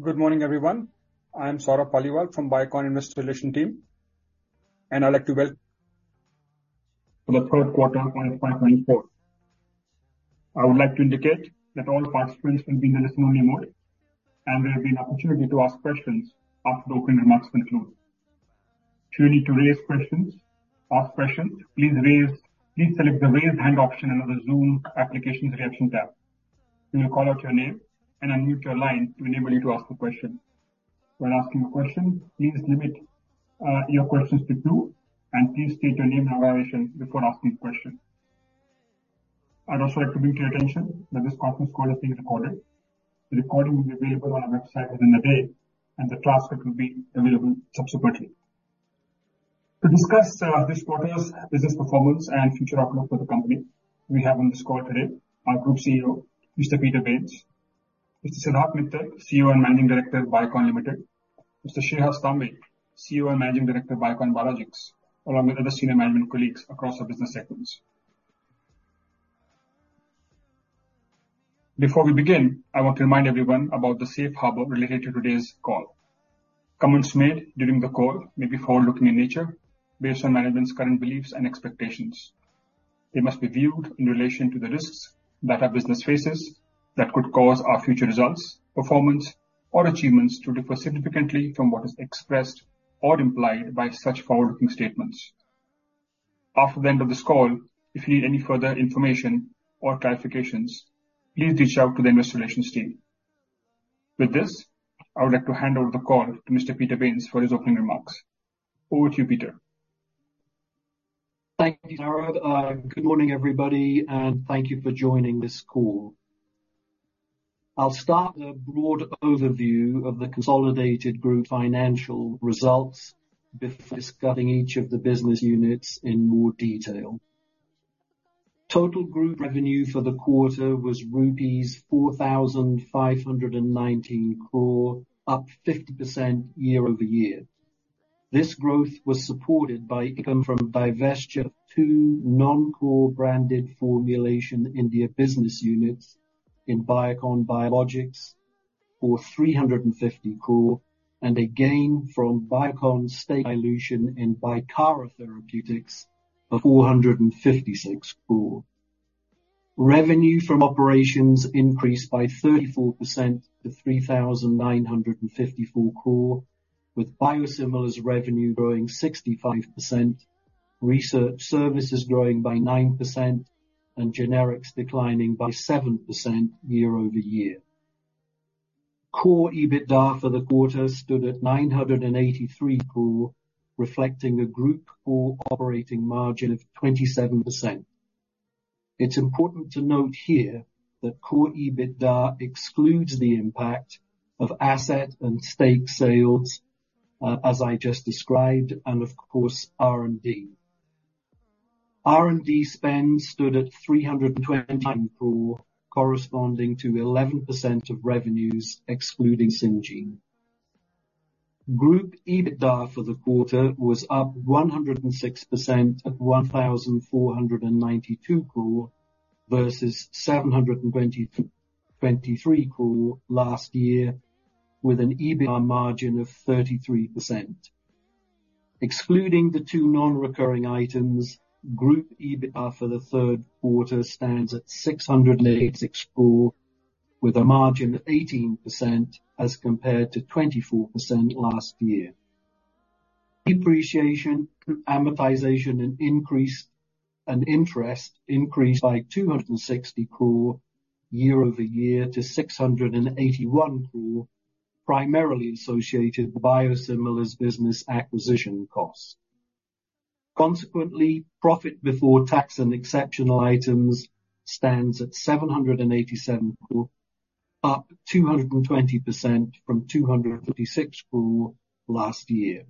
Good morning, everyone. I'm Saurabh Paliwal from Biocon Investor Relations team, and I'd like to welcome. For the third quarter of 2024. I would like to indicate that all participants will be in the listen-only mode, and there will be an opportunity to ask questions after the opening remarks conclude. If you need to raise questions, ask questions, please select the raise hand option under the Zoom applications reaction tab. We will call out your name and unmute your line to enable you to ask the question. When asking a question, please limit your questions to two, and please state your name and organization before asking the question. I'd also like to bring to your attention that this conference call is being recorded. The recording will be available on our website within the day, and the transcript will be available subsequently. To discuss this quarter's business performance and future outlook for the company, we have on this call today our group CEO, Mr. Peter Bains, Mr. Siddharth Mittal, CEO and Managing Director of Biocon Limited, Mr. Shreehas Tambe, CEO and Managing Director of Biocon Biologics, along with other senior management colleagues across our business segments. Before we begin, I want to remind everyone about the safe harbor related to today's call. Comments made during the call may be forward-looking in nature, based on management's current beliefs and expectations. They must be viewed in relation to the risks that our business faces that could cause our future results, performance, or achievements to differ significantly from what is expressed or implied by such forward-looking statements. After the end of this call, if you need any further information or clarifications, please reach out to the investor relations team. With this, I would like to hand over the call to Mr. Peter Bains for his opening remarks. Over to you, Peter. Thank you, Saurabh. Good morning, everybody, and thank you for joining this call. I'll start with a broad overview of the consolidated group financial results before discussing each of the business units in more detail. Total group revenue for the quarter was rupees 4,519 crore, up 50% year-over-year. This growth was supported by income from divestiture of two non-core branded formulation India business units in Biocon Biologics for 350 crore and a gain from Biocon stake dilution in Bicara Therapeutics for 456 crore. Revenue from operations increased by 34% to 3,954 crore, with biosimilars revenue growing 65%, research services growing by 9%, and generics declining by 7% year-over-year. Core EBITDA for the quarter stood at 983 crore, reflecting a group core operating margin of 27%. It's important to note here that core EBITDA excludes the impact of asset and stake sales, as I just described, and, of course, R&D. R&D spend stood at 329 crore, corresponding to 11% of revenues excluding Syngene. Group EBITDA for the quarter was up 106% at 1,492 crore versus 723 crore last year, with an EBITDA margin of 33%. Excluding the two non-recurring items, group EBITDA for the third quarter stands at 686 crore, with a margin of 18% as compared to 24% last year. Depreciation, amortization, and interest increased by 260 crore year-over-year to 681 crore, primarily associated with biosimilars business acquisition costs. Consequently, profit before tax and exceptional items stands at 787 crore, up 220% from 256 crore last year.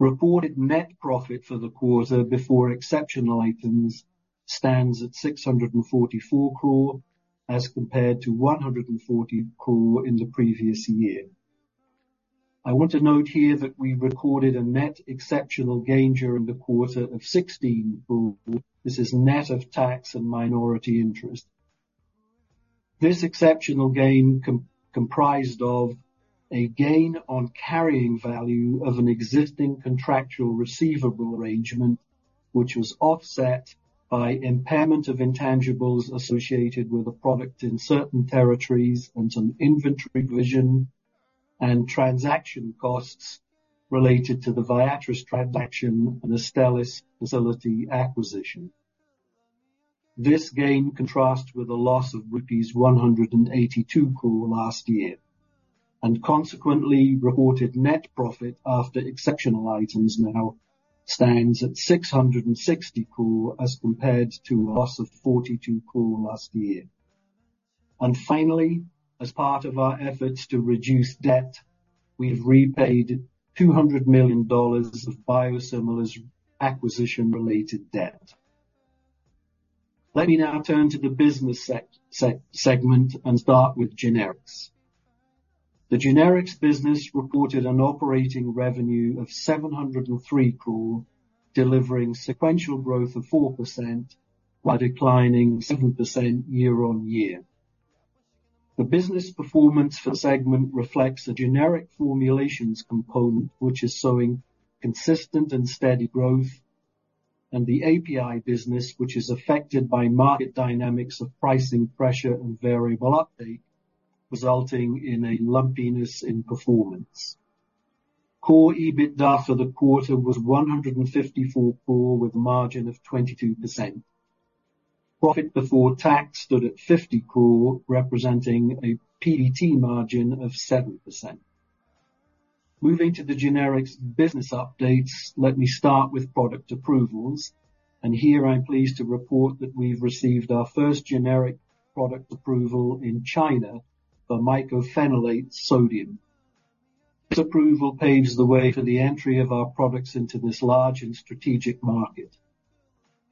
Reported net profit for the quarter before exceptional items stands at 644 crore as compared to 140 crore in the previous year. I want to note here that we recorded a net exceptional gain during the quarter of 16 crore. This is net of tax and minority interest. This exceptional gain comprised of a gain on carrying value of an existing contractual receivable arrangement, which was offset by impairment of intangibles associated with a product in certain territories and some inventory revision, and transaction costs related to the Viatris transaction and Stelis facility acquisition. This gain contrasts with a loss of rupees 182 crore last year, and consequently, reported net profit after exceptional items now stands at 660 crore as compared to a loss of 42 crore last year. And finally, as part of our efforts to reduce debt, we have repaid $200 million of biosimilars acquisition-related debt. Let me now turn to the business segment and start with generics. The generics business reported an operating revenue of 703 crore, delivering sequential growth of 4% while declining 7% year on year. The business performance for the segment reflects a generic formulations component, which is showing consistent and steady growth, and the API business, which is affected by market dynamics of pricing pressure and variable uptake, resulting in a lumpiness in performance. Core EBITDA for the quarter was 154 crore, with a margin of 22%. Profit before tax stood at 50 crore, representing a PBT margin of 7%. Moving to the generics business updates, let me start with product approvals, and here I'm pleased to report that we've received our first generic product approval in China for mycophenolate sodium. This approval paves the way for the entry of our products into this large and strategic market.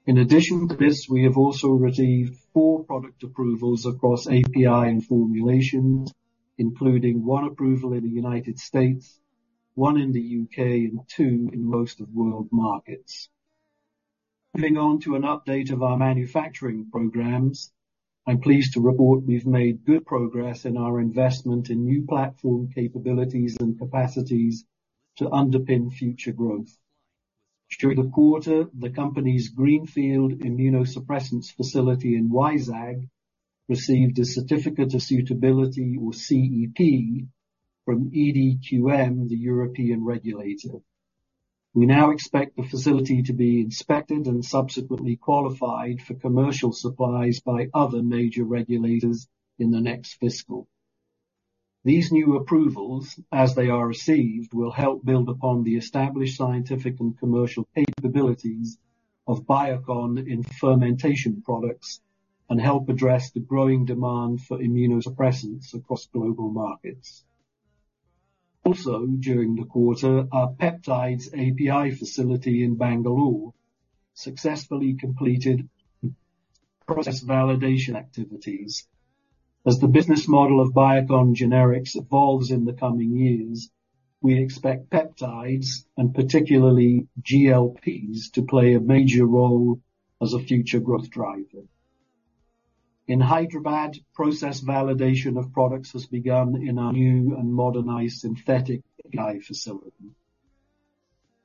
In addition to this, we have also received four product approvals across API and formulations, including one approval in the United States, one in the U.K., and two in most of the world markets. Moving on to an update of our manufacturing programs, I'm pleased to report we've made good progress in our investment in new platform capabilities and capacities to underpin future growth. During the quarter, the company's Greenfield Immunosuppressants facility in Vizag received a certificate of suitability, or CET, from EDQM, the European regulator. We now expect the facility to be inspected and subsequently qualified for commercial supplies by other major regulators in the next fiscal. These new approvals, as they are received, will help build upon the established scientific and commercial capabilities of Biocon in fermentation products and help address the growing demand for immunosuppressants across global markets. Also, during the quarter, our peptides API facility in Bangalore successfully completed process validation activities. As the business model of Biocon generics evolves in the coming years, we expect peptides, and particularly GLPs, to play a major role as a future growth driver. In Hyderabad, process validation of products has begun in our new and modernized synthetic API facility.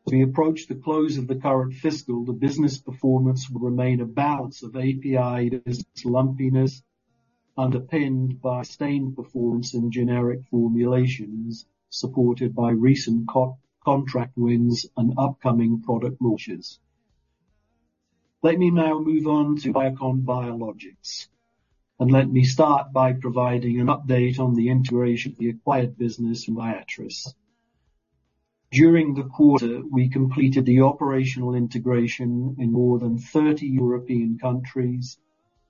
As we approach the close of the current fiscal, the business performance will remain a balance of API business lumpiness underpinned by sustained performance in generic formulations supported by recent contract wins and upcoming product launches. Let me now move on to Biocon Biologics, and let me start by providing an update on the integration of the acquired business in Viatris. During the quarter, we completed the operational integration in more than 30 European countries,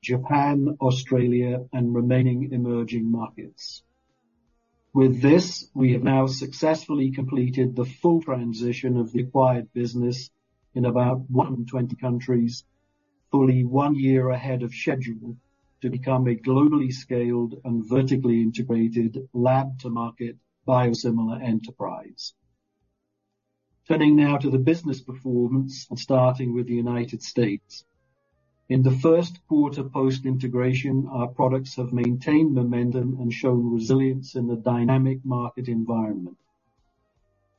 Japan, Australia, and remaining emerging markets. With this, we have now successfully completed the full transition of the acquired business in about 120 countries, fully 1 year ahead of schedule to become a globally scaled and vertically integrated lab-to-market biosimilar enterprise. Turning now to the business performance and starting with the United States. In the first quarter post-integration, our products have maintained momentum and shown resilience in the dynamic market environment.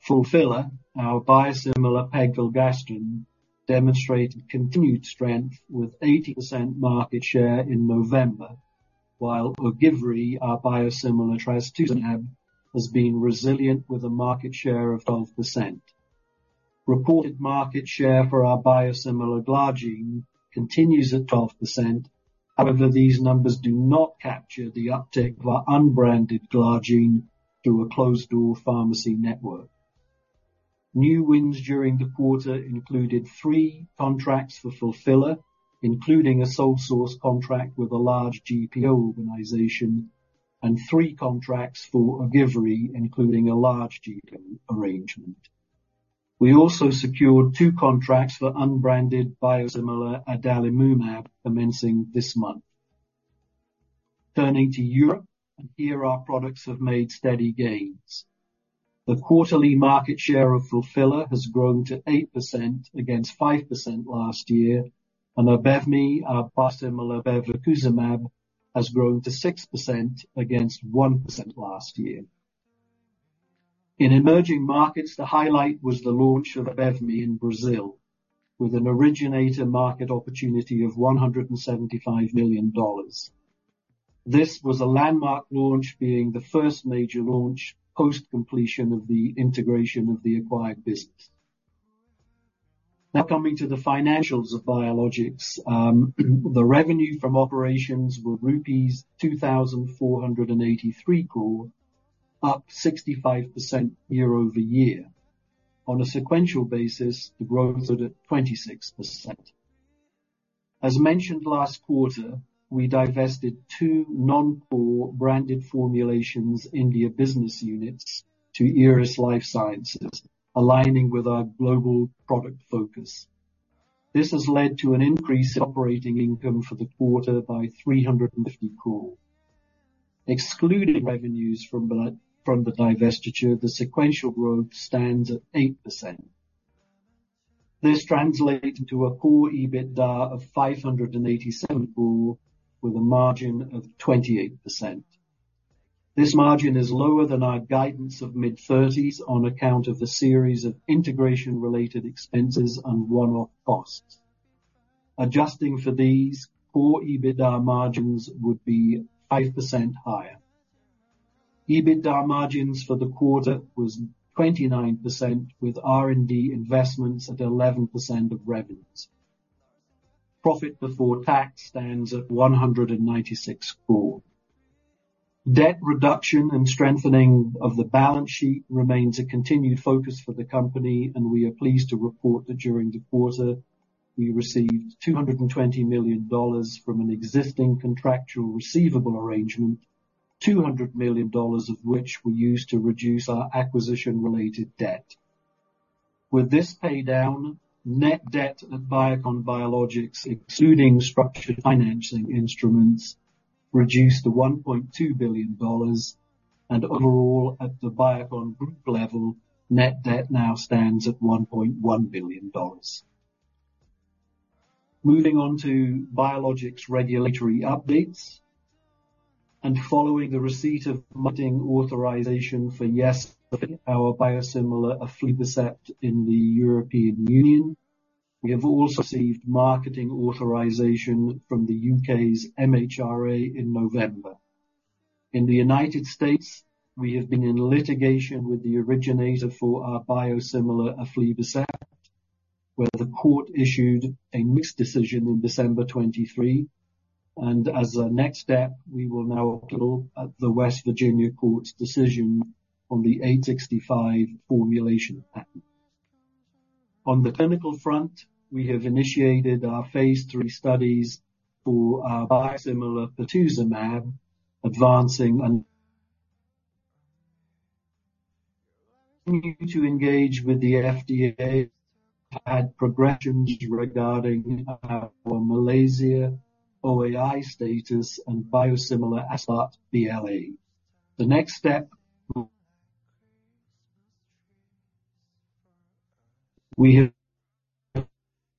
Fulphila, our biosimilar Pegfilgrastim, demonstrated continued strength with 80% market share in November, while Ogivri, our biosimilar Trastuzumab, has been resilient with a market share of 12%. Reported market share for our biosimilar Glargine continues at 12%. However, these numbers do not capture the uptake of our unbranded Glargine through a closed-door pharmacy network. New wins during the quarter included 3 contracts for Fulphila, including a sole-source contract with a large GPO organization, and three contracts for Ogivri, including a large GPO arrangement. We also secured two contracts for unbranded biosimilar Adalimumab commencing this month. Turning to Europe, and here our products have made steady gains. The quarterly market share of Fulphila has grown to 8% against 5% last year, and Abevmy, our biosimilar Bevacizumab, has grown to 6% against 1% last year. In emerging markets, the highlight was the launch of Abevmy in Brazil with an originator market opportunity of $175 million. This was a landmark launch, being the first major launch post-completion of the integration of the acquired business. Now coming to the financials of Biologics, the revenue from operations was rupees 2,483 crore, up 65% year-over-year. On a sequential basis, the growth stood at 26%. As mentioned last quarter, we divested two non-core branded formulations India business units to Eris Lifesciences, aligning with our global product focus. This has led to an increase in operating income for the quarter by 350 crore. Excluding revenues from the divestiture, the sequential growth stands at 8%. This translates into a core EBITDA of 587 crore, with a margin of 28%. This margin is lower than our guidance of mid-30s on account of a series of integration-related expenses and one-off costs. Adjusting for these, core EBITDA margins would be 5% higher. EBITDA margins for the quarter were 29%, with R&D investments at 11% of revenues. Profit before tax stands at 196 crore. Debt reduction and strengthening of the balance sheet remains a continued focus for the company, and we are pleased to report that during the quarter, we received $220 million from an existing contractual receivable arrangement, $200 million of which we used to reduce our acquisition-related debt. With this paydown, net debt at Biocon Biologics, excluding structured financing instruments, reduced to $1.2 billion, and overall, at the Biocon group level, net debt now stands at $1.1 billion. Moving on to biologics regulatory updates. Following the receipt of marketing authorization for Yesafili, our biosimilar Aflibercept, in the European Union, we have also received marketing authorization from the U.K.'s MHRA in November. In the United States, we have been in litigation with the originator for our biosimilar Aflibercept, where the court issued a mixed decision in December 2023, and as a next step, we will now appeal the West Virginia court's decision on the '865 formulation patent. On the clinical front, we have initiated our phase III studies for our biosimilar Pertuzumab, advancing and continuing to engage with the FDA on progressions regarding our Malaysia OAI status and biosimilar Aspart BLA. The next step, we have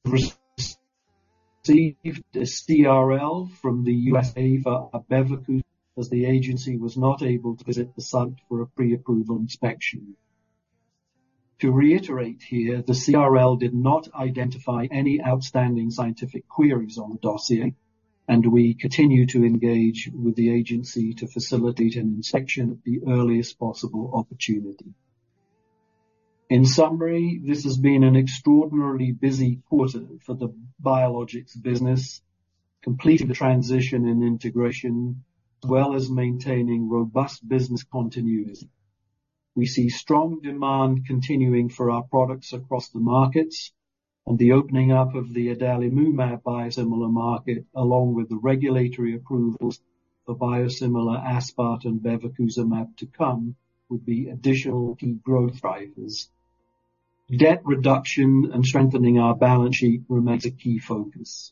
received a CRL from the USA for Abevmy, as the agency was not able to visit the site for a pre-approval inspection. To reiterate here, the CRL did not identify any outstanding scientific queries on the dossier, and we continue to engage with the agency to facilitate an inspection at the earliest possible opportunity. In summary, this has been an extraordinarily busy quarter for the Biologics business, completing the transition and integration, as well as maintaining robust business continuity. We see strong demand continuing for our products across the markets, and the opening up of the Adalimumab biosimilar market, along with the regulatory approvals for biosimilar Aspart and Bevacizumab to come, would be additional key growth drivers. Debt reduction and strengthening our balance sheet remains a key focus.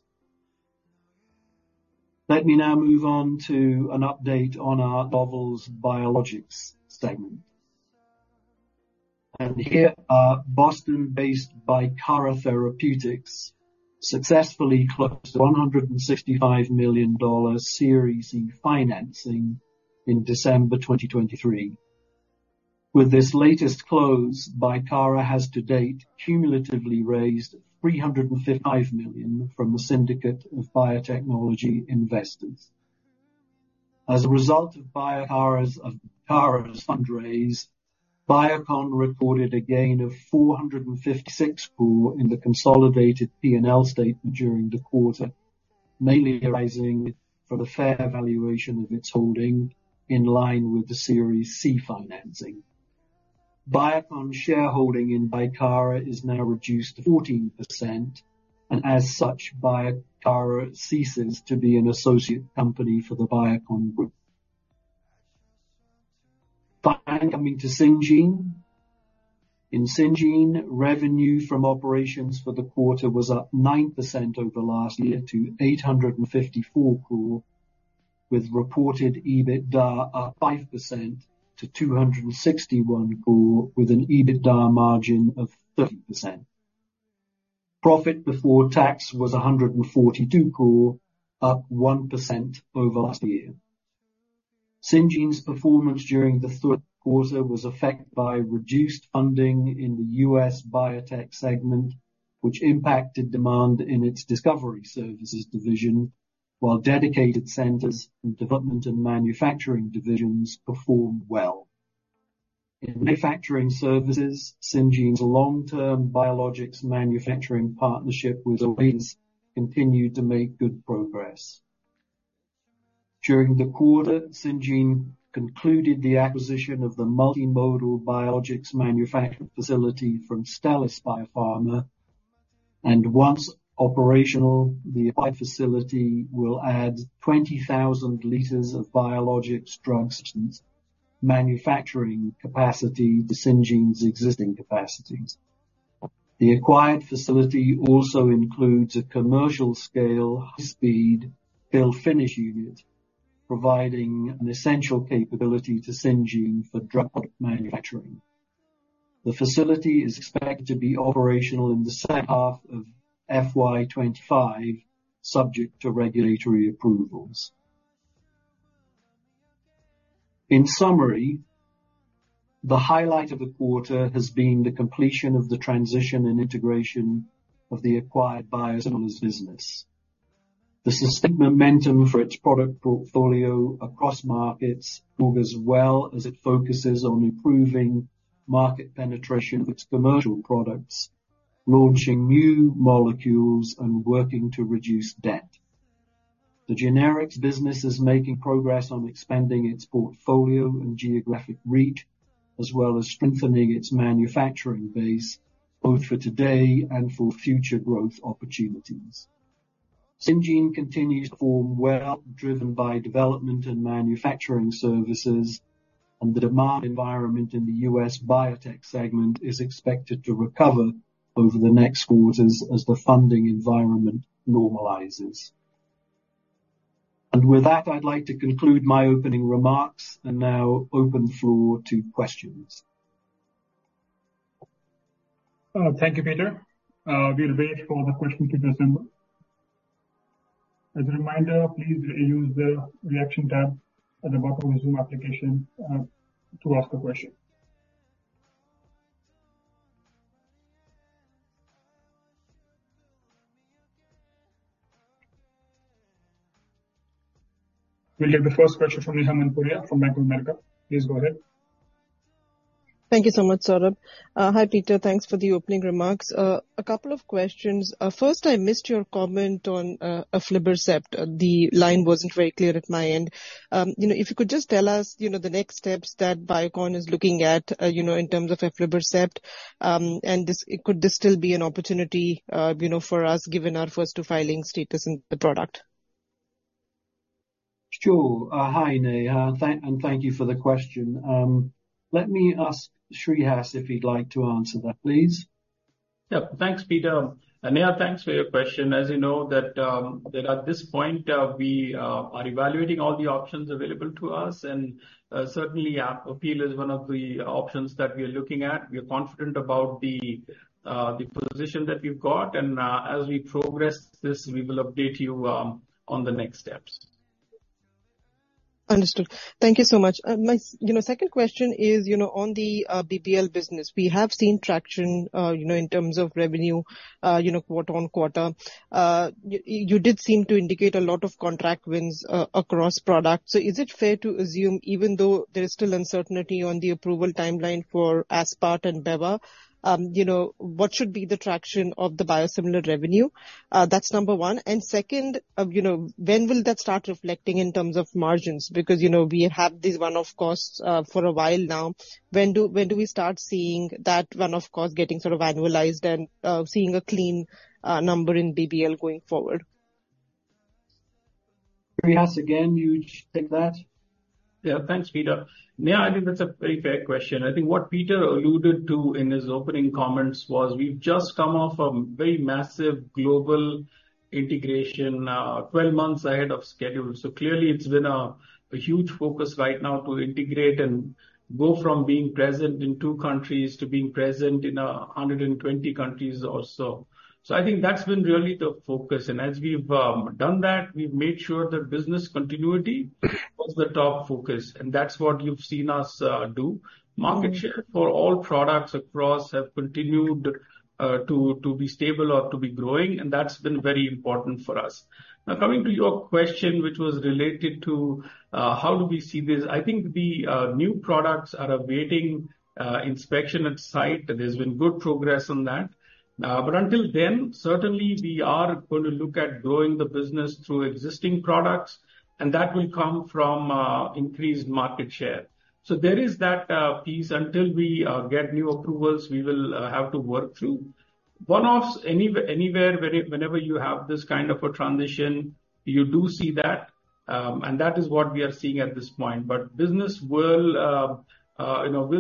Let me now move on to an update on our Novel Biologics segment. Here our Boston-based Bicara Therapeutics successfully closed the $165 million Series C financing in December 2023. With this latest close, Bicara has to date cumulatively raised $355 million from a syndicate of biotechnology investors. As a result of Bicara's fundraise, Biocon recorded a gain of 456 crore in the consolidated P&L statement during the quarter, mainly arising from the fair valuation of its holding in line with the Series C financing. Biocon shareholding in Bicara is now reduced to 14%, and as such, Bicara ceases to be an associate company for the Biocon group. Finally, coming to Syngene. In Syngene, revenue from operations for the quarter was up 9% over last year to 854 crore, with reported EBITDA up 5% to 261 crore, with an EBITDA margin of 30%. Profit before tax was 142 crore, up 1% over last year. Syngene's performance during the third quarter was affected by reduced funding in the U.S. biotech segment, which impacted demand in its Discovery Services division, while Dedicated Centers in Development and Manufacturing divisions performed well. In manufacturing services, Syngene's long-term biologics manufacturing partnership with Zoetis continued to make good progress. During the quarter, Syngene concluded the acquisition of the multimodal biologics manufacturing facility from Stelis Biopharma, and once operational, the acquired facility will add 20,000 liters of biologics drug substance manufacturing capacity to Syngene's existing capacities. The acquired facility also includes a commercial-scale, high-speed fill-finish unit, providing an essential capability to Syngene for drug product manufacturing. The facility is expected to be operational in the second half of FY 2025, subject to regulatory approvals. In summary, the highlight of the quarter has been the completion of the transition and integration of the acquired biosimilar business. The sustained momentum for its product portfolio across markets augurs well as it focuses on improving market penetration of its commercial products, launching new molecules, and working to reduce debt. The generics business is making progress on expanding its portfolio and geographic reach, as well as strengthening its manufacturing base, both for today and for future growth opportunities. Syngene continues to perform well, driven by Development and Manufacturing services, and the demand environment in the U.S. biotech segment is expected to recover over the next quarters as the funding environment normalizes. And with that, I'd like to conclude my opening remarks and now open the floor to questions. Thank you, Peter. I'll be ready for the questions in December. As a reminder, please use the reaction tab at the bottom of the Zoom application to ask a question. We'll take the first question from Neha Manpuria from Bank of America. Please go ahead. Thank you so much, Saurabh. Hi, Peter. Thanks for the opening remarks. A couple of questions. First, I missed your comment on Aflibercept. The line wasn't very clear at my end. If you could just tell us the next steps that Biocon is looking at in terms of Aflibercept, and could this still be an opportunity for us, given our first-to-filing status in the product? Sure. Hi, Neha. Thank you for the question. Let me ask Shreehas if he'd like to answer that, please. Yep. Thanks, Peter. Neha, thanks for your question. As you know, at this point, we are evaluating all the options available to us, and certainly, appeal is one of the options that we are looking at. We are confident about the position that we've got, and as we progress this, we will update you on the next steps. Understood. Thank you so much. My second question is on the BBL business. We have seen traction in terms of revenue quarter-over-quarter. You did seem to indicate a lot of contract wins across products. So is it fair to assume, even though there is still uncertainty on the approval timeline for Aspart and Beva, what should be the traction of the biosimilar revenue? That's number one. And second, when will that start reflecting in terms of margins? Because we have this one-off cost for a while now. When do we start seeing that one-off cost getting sort of annualized and seeing a clean number in BBL going forward? Shreehas, again, you take that. Yeah. Thanks, Peter. Neha, I think that's a very fair question. I think what Peter alluded to in his opening comments was we've just come off a very massive global integration, 12 months ahead of schedule. So clearly, it's been a huge focus right now to integrate and go from being present in two countries to being present in 120 countries or so. So I think that's been really the focus. And as we've done that, we've made sure that business continuity was the top focus, and that's what you've seen us do. Market share for all products across have continued to be stable or to be growing, and that's been very important for us. Now, coming to your question, which was related to how do we see this? I think the new products are awaiting inspection at site. There's been good progress on that. But until then, certainly, we are going to look at growing the business through existing products, and that will come from increased market share. So there is that piece. Until we get new approvals, we will have to work through. One-offs anywhere, whenever you have this kind of a transition, you do see that, and that is what we are seeing at this point. But business will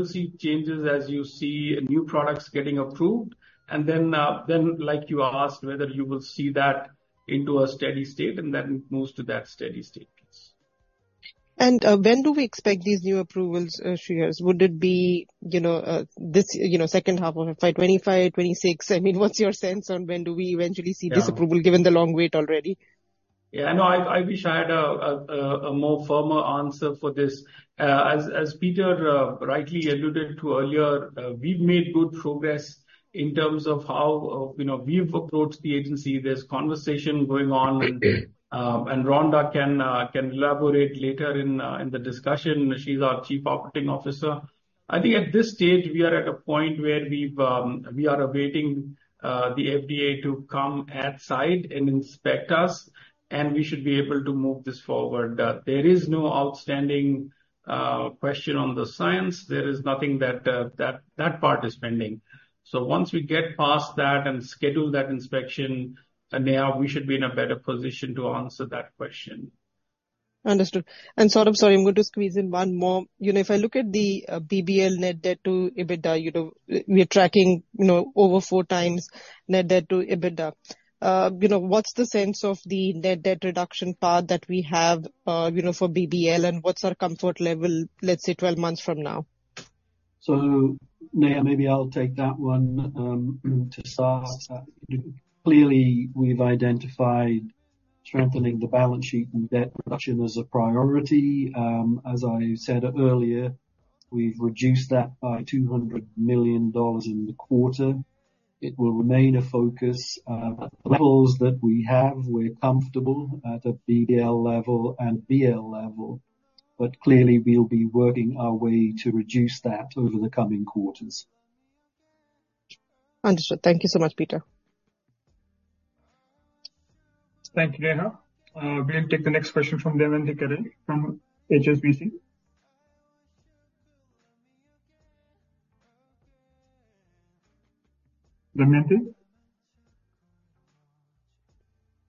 see changes as you see new products getting approved, and then, like you asked, whether you will see that into a steady state, and then it moves to that steady state, yes. And when do we expect these new approvals, Shreehas? Would it be this second half of FY 2025, 2026? I mean, what's your sense on when do we eventually see this approval, given the long wait already? Yeah. No, I wish I had a more firmer answer for this. As Peter rightly alluded to earlier, we've made good progress in terms of how we've approached the agency. There's conversation going on, and Rhonda can elaborate later in the discussion. She's our Chief Operating Officer. I think at this stage, we are at a point where we are awaiting the FDA to come on site and inspect us, and we should be able to move this forward. There is no outstanding question on the science. There is nothing that part is pending. So once we get past that and schedule that inspection, Neha, we should be in a better position to answer that question. Understood. And Saurabh, sorry, I'm going to squeeze in one more. If I look at the BBL net debt to EBITDA, we are tracking over four times net debt to EBITDA. What's the sense of the net debt reduction path that we have for BBL, and what's our comfort level, let's say, 12 months from now? So Neha, maybe I'll take that one to Saurabh. Clearly, we've identified strengthening the balance sheet and debt reduction as a priority. As I said earlier, we've reduced that by $200 million in the quarter. It will remain a focus. At the levels that we have, we're comfortable at a BBL level and BL level, but clearly, we'll be working our way to reduce that over the coming quarters. Understood. Thank you so much, Peter. Thank you, Neha. We'll take the next question from Damayanti Kerai from HSBC. Damayanti?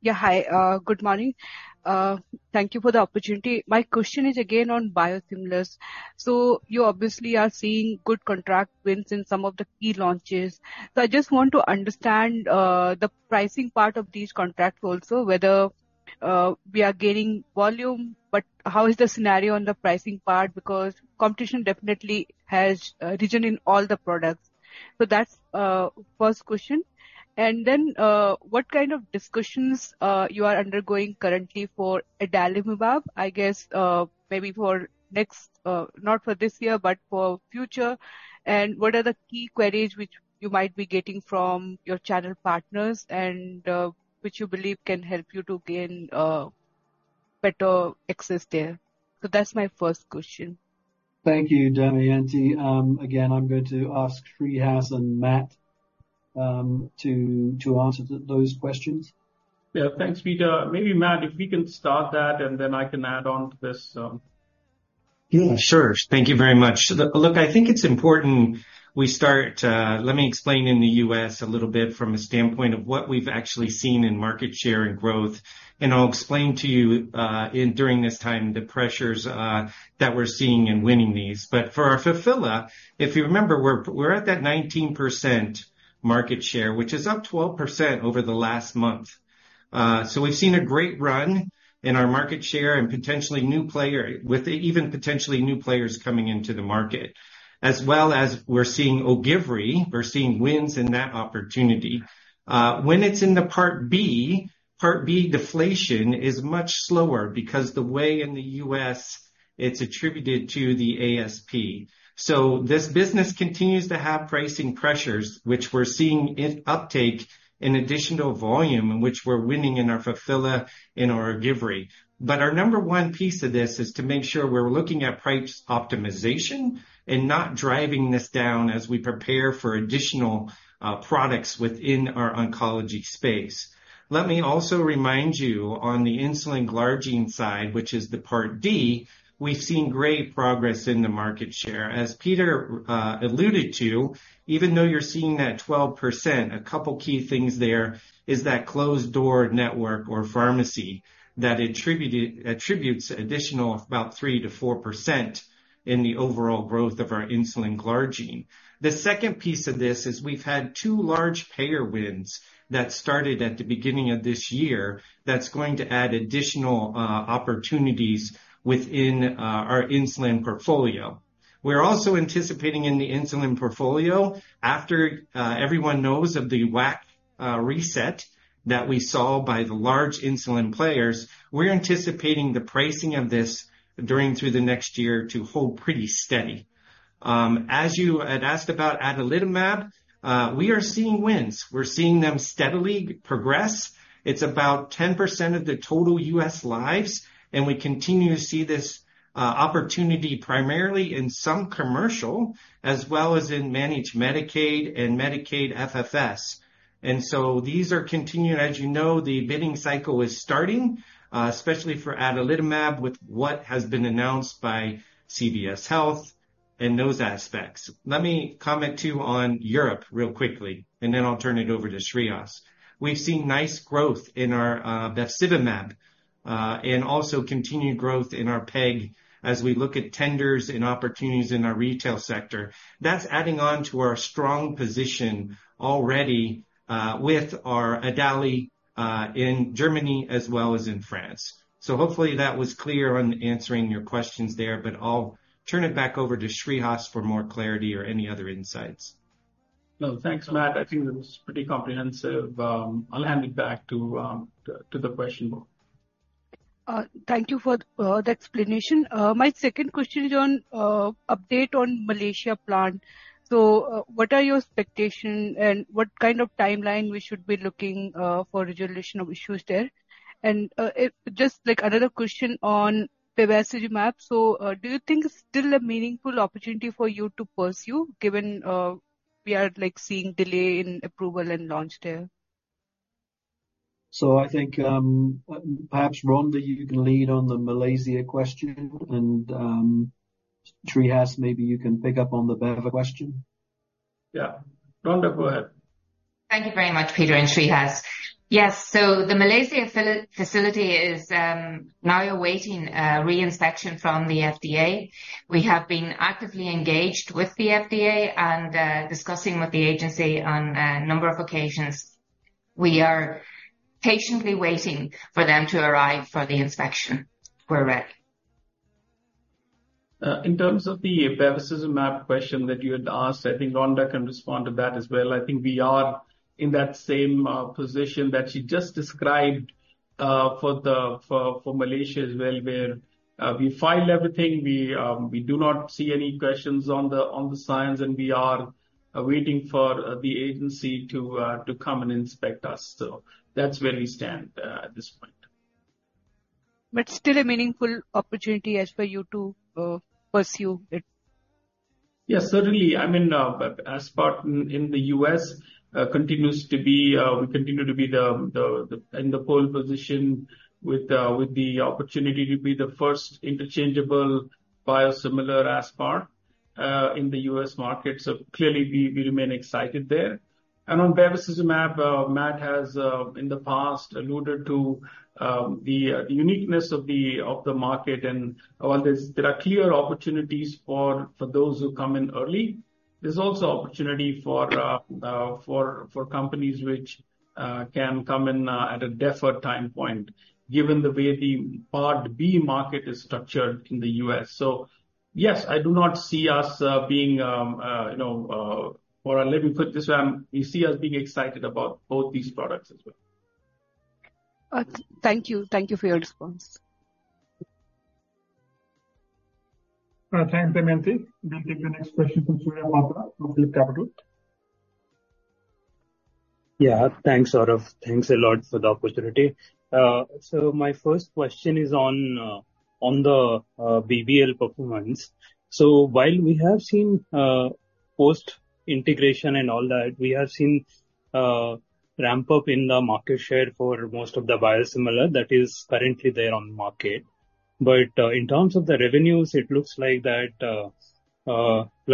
Yeah. Hi. Good morning. Thank you for the opportunity. My question is again on biosimilars. So you obviously are seeing good contract wins in some of the key launches. So I just want to understand the pricing part of these contracts also, whether we are gaining volume, but how is the scenario on the pricing part? Because competition definitely has risen in all the products. So that's the first question. Then what kind of discussions you are undergoing currently for Adalimumab, I guess, maybe not for this year, but for future? And what are the key queries which you might be getting from your channel partners and which you believe can help you to gain better access there? So that's my first question. Thank you, Damayanti. Again, I'm going to ask Shreehas and Matt to answer those questions. Yeah. Thanks, Peter. Maybe Matt, if we can start that, and then I can add on to this. Yeah. Sure. Thank you very much. Look, I think it's important we start, let me explain in the U.S. a little bit from a standpoint of what we've actually seen in market share and growth. And I'll explain to you during this time the pressures that we're seeing in winning these. But for our Fulphila, if you remember, we're at that 19% market share, which is up 12% over the last month. So we've seen a great run in our market share and potentially new player, with even potentially new players coming into the market, as well as we're seeing Ogivri. We're seeing wins in that opportunity. When it's in the Part B, Part B deflation is much slower because the way in the U.S. it's attributed to the ASP. So this business continues to have pricing pressures, which we're seeing uptake in addition to volume in which we're winning in our Fulphila and our Ogivri. But our number one piece of this is to make sure we're looking at price optimization and not driving this down as we prepare for additional products within our oncology space. Let me also remind you, on the insulin glargine side, which is the Part D, we've seen great progress in the market share. As Peter alluded to, even though you're seeing that 12%, a couple of key things there is that closed-door network or pharmacy that attributes additional about 3%-4% in the overall growth of our insulin glargine. The second piece of this is we've had two large payer wins that started at the beginning of this year that's going to add additional opportunities within our insulin portfolio. We're also anticipating in the insulin portfolio, after everyone knows of the WACC reset that we saw by the large insulin players, we're anticipating the pricing of this through the next year to hold pretty steady. As you had asked about Adalimumab, we are seeing wins. We're seeing them steadily progress. It's about 10% of the total U.S. lives, and we continue to see this opportunity primarily in some commercial, as well as in managed Medicaid and Medicaid FFS. And so these are continuing. As you know, the bidding cycle is starting, especially for Adalimumab with what has been announced by CVS Health and those aspects. Let me comment too on Europe real quickly, and then I'll turn it over to Shreehas. We've seen nice growth in our Bevacizumab and also continued growth in our Peg as we look at tenders and opportunities in our retail sector. That's adding on to our strong position already with our Adalimumab in Germany as well as in France. So hopefully, that was clear on answering your questions there, but I'll turn it back over to Shreehas for more clarity or any other insights. No, thanks, Matt. I think that was pretty comprehensive. I'll hand it back to the question board. Thank you for the explanation. My second question is on an update on the Malaysia plant. So what are your expectations, and what kind of timeline should we be looking for resolution of issues there? And just another question on bevacizumab. So do you think it's still a meaningful opportunity for you to pursue, given we are seeing a delay in approval and launch there? So I think perhaps Rhonda, you can lead on the Malaysia question. And Shreehas, maybe you can pick up on the Beva question. Yeah. Rhonda, go ahead. Thank you very much, Peter and Shreehas. Yes. So the Malaysia facility is now awaiting reinspection from the FDA. We have been actively engaged with the FDA and discussing with the agency on a number of occasions. We are patiently waiting for them to arrive for the inspection. We're ready. In terms of the Pertuzumab question that you had asked, I think Rhonda can respond to that as well. I think we are in that same position that she just described for Malaysia as well, where we file everything. We do not see any questions on the signs, and we are waiting for the agency to come and inspect us. So that's where we stand at this point. But still a meaningful opportunity as for you to pursue it? Yes, certainly. I mean, Aspart in the U.S. continues to be we continue to be in the pole position with the opportunity to be the first interchangeable biosimilar Aspart in the U.S. market. So clearly, we remain excited there. On Bevacizumab, Matt has in the past alluded to the uniqueness of the market and while there are clear opportunities for those who come in early, there's also opportunity for companies which can come in at a deferred time point, given the way the Part B market is structured in the U.S. So yes, I do not see us being or let me put this way. We see us being excited about both these products as well. Thank you. Thank you for your response. Thanks, Damayanti. We'll take the next question from Surya Patra from PhillipCapital. Yeah. Thanks, Saurabh. Thanks a lot for the opportunity. So my first question is on the BBL performance. So while we have seen post-integration and all that, we have seen a ramp-up in the market share for most of the biosimilar that is currently there on the market. But in terms of the revenues, it looks like that,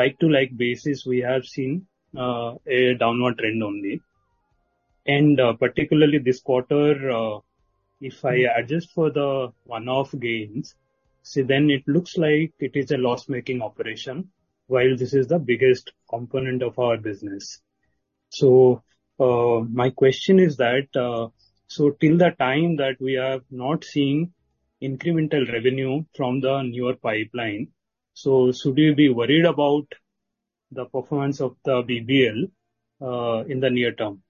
like-to-like basis, we have seen a downward trend only. And particularly this quarter, if I adjust for the one-off gains, see, then it looks like it is a loss-making operation while this is the biggest component of our business. So my question is that, so till the time that we are not seeing incremental revenue from the newer pipeline, so should we be worried about the performance of the BBL in the near-term?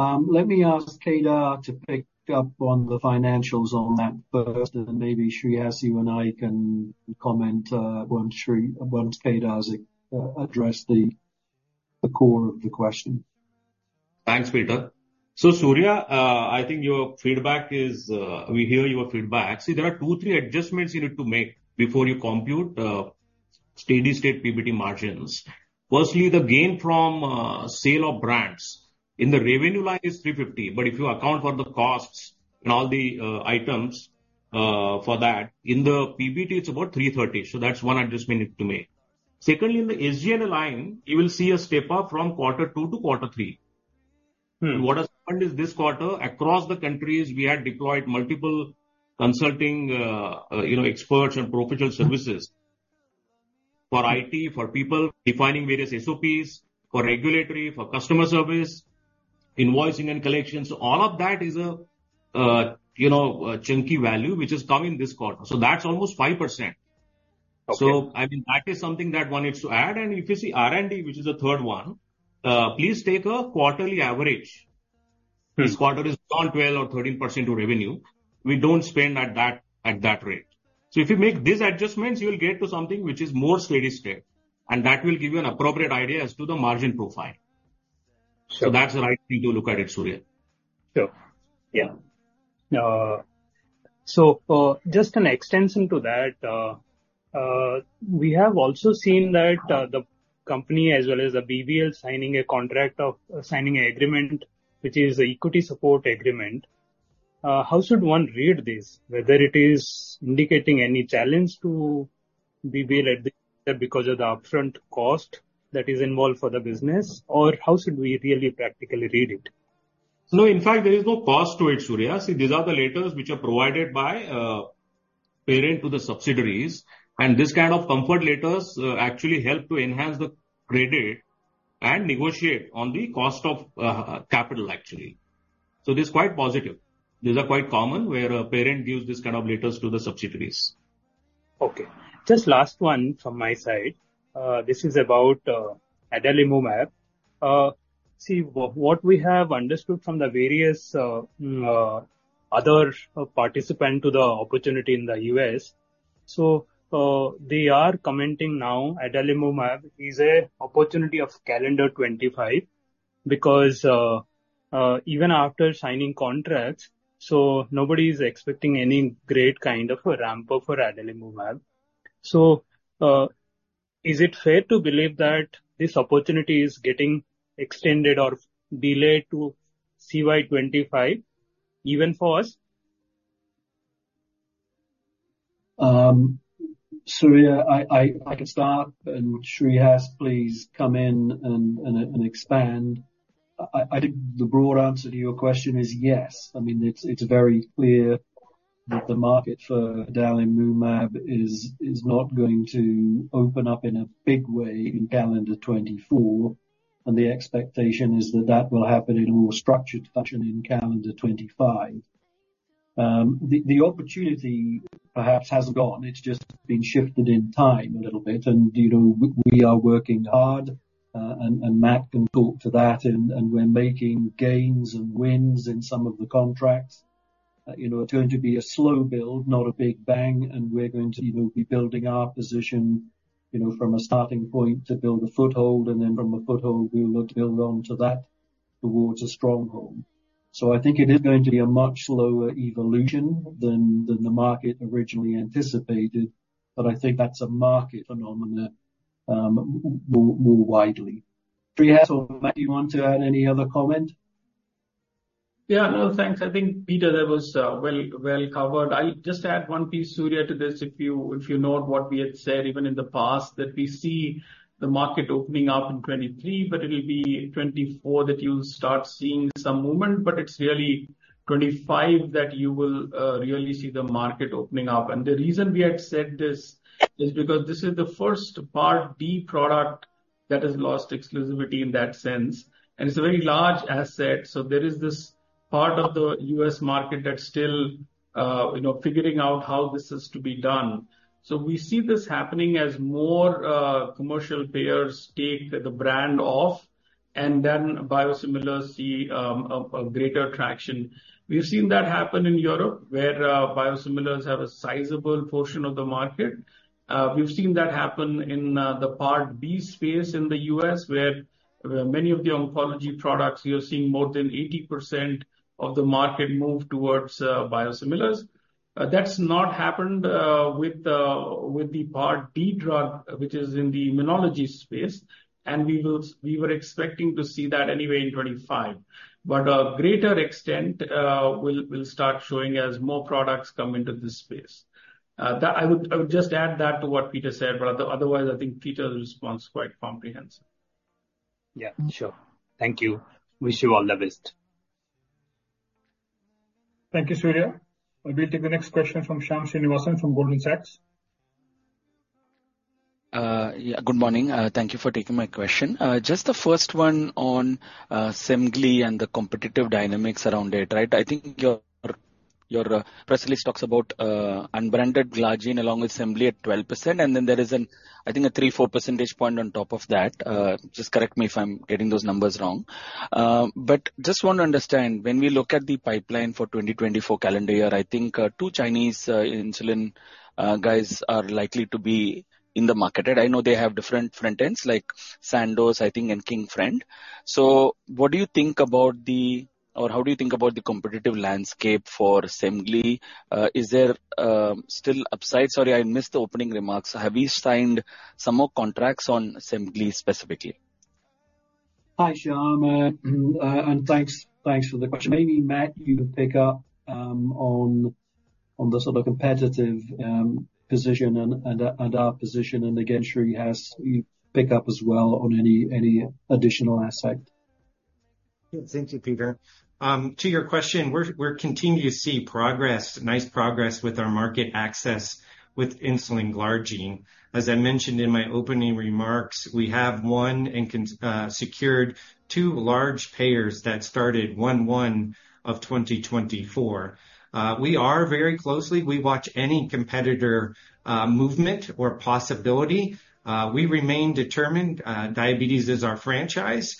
Let me ask Kedar to pick up on the financials on that first, and then maybe Shreehas, you and I can comment once Kedar has addressed the core of the question. Thanks, Peter. So Surya, I think your feedback is we hear your feedback. See, there are two, three adjustments you need to make before you compute steady-state PBT margins. Firstly, the gain from sale of brands in the revenue line is 350, but if you account for the costs and all the items for that, in the PBT, it's about 330. So that's one adjustment you need to make. Secondly, in the SG&A line, you will see a step-up from quarter two to quarter three. What has happened is this quarter, across the countries, we had deployed multiple consulting experts and professional services for IT, for people defining various SOPs, for regulatory, for customer service, invoicing, and collections. All of that is a chunky value which has come in this quarter. So that's almost 5%. So I mean, that is something that one needs to add. And if you see R&D, which is the third one, please take a quarterly average. This quarter is beyond 12% or 13% of revenue. We don't spend at that rate. So if you make these adjustments, you will get to something which is more steady-state, and that will give you an appropriate idea as to the margin profile. So that's the right thing to look at it, Surya. Sure. Yeah. So just an extension to that, we have also seen that the company as well as the BBL signing a contract of signing an agreement, which is an equity support agreement. How should one read this, whether it is indicating any challenge to BBL because of the upfront cost that is involved for the business, or how should we really practically read it? No, in fact, there is no cost to it, Surya. See, these are the letters which are provided by parent to the subsidiaries. And this kind of comfort letters actually help to enhance the credit and negotiate on the cost of capital, actually. This is quite positive. These are quite common where a parent gives this kind of letters to the subsidiaries. Okay. Just last one from my side. This is about Adalimumab. See, what we have understood from the various other participants to the opportunity in the U.S., so they are commenting now, "Adalimumab is an opportunity of calendar 2025 because even after signing contracts, so nobody is expecting any great kind of a ramp-up for Adalimumab." So is it fair to believe that this opportunity is getting extended or delayed to CY 2025, even for us? Surya, I can start, and Shreehas, please come in and expand. I think the broad answer to your question is yes. I mean, it's very clear that the market for Adalimumab is not going to open up in a big way in calendar 2024, and the expectation is that that will happen in a more structured fashion in calendar 2025. The opportunity perhaps hasn't gone. It's just been shifted in time a little bit. We are working hard, and Matt can talk to that. We're making gains and wins in some of the contracts. It's going to be a slow build, not a big bang, and we're going to be building our position from a starting point to build a foothold, and then from a foothold, we'll look to build onto that towards a stronghold. So I think it is going to be a much slower evolution than the market originally anticipated, but I think that's a market phenomena more widely. Shreehas, or Matt, do you want to add any other comment? Yeah. No, thanks. I think, Peter, that was well covered. I'll just add one piece, Surya, to this. If you note what we had said even in the past, that we see the market opening up in 2023, but it'll be 2024 that you'll start seeing some movement. But it's really 2025 that you will really see the market opening up. And the reason we had said this is because this is the first Part D product that has lost exclusivity in that sense, and it's a very large asset. So there is this part of the U.S. market that's still figuring out how this is to be done. So we see this happening as more commercial payers take the brand off, and then biosimilars see a greater traction. We've seen that happen in Europe, where biosimilars have a sizable portion of the market. We've seen that happen in the Part B space in the U.S., where many of the oncology products, you're seeing more than 80% of the market move towards biosimilars. That's not happened with the Part D drug, which is in the immunology space, and we were expecting to see that anyway in 2025. But a greater extent will start showing as more products come into this space. I would just add that to what Peter said, but otherwise, I think Peter's response is quite comprehensive. Yeah. Sure. Thank you. Wish you all the best. Thank you, Surya. We'll take the next question from Shyam Srinivasan from Goldman Sachs. Yeah. Good morning. Thank you for taking my question. Just the first one on Semglee and the competitive dynamics around it, right? I think Peter talks about unbranded glargine along with Semglee at 12%, and then there is, I think, a 3-4 percentage point on top of that. Just correct me if I'm getting those numbers wrong. But just want to understand, when we look at the pipeline for 2024 calendar year, I think two Chinese insulin guys are likely to be in the market. I know they have different front ends, like Sandoz, I think, and King-friend. So what do you think about the or how do you think about the competitive landscape for Semglee? Is there still upside? Sorry, I missed the opening remarks. Have you signed some more contracts on Semglee specifically? Hi, Shyam. And thanks for the question. Maybe, Matt, you can pick up on the sort of competitive position and our position. And again, Shreehas, you pick up as well on any additional aspect. Yeah. Thank you, Peter. To your question, we continue to see progress, nice progress, with our market access with insulin Glargine. As I mentioned in my opening remarks, we have one and secured two large payers that started 1/1/2024. We are very closely. We watch any competitor movement or possibility. We remain determined. Diabetes is our franchise.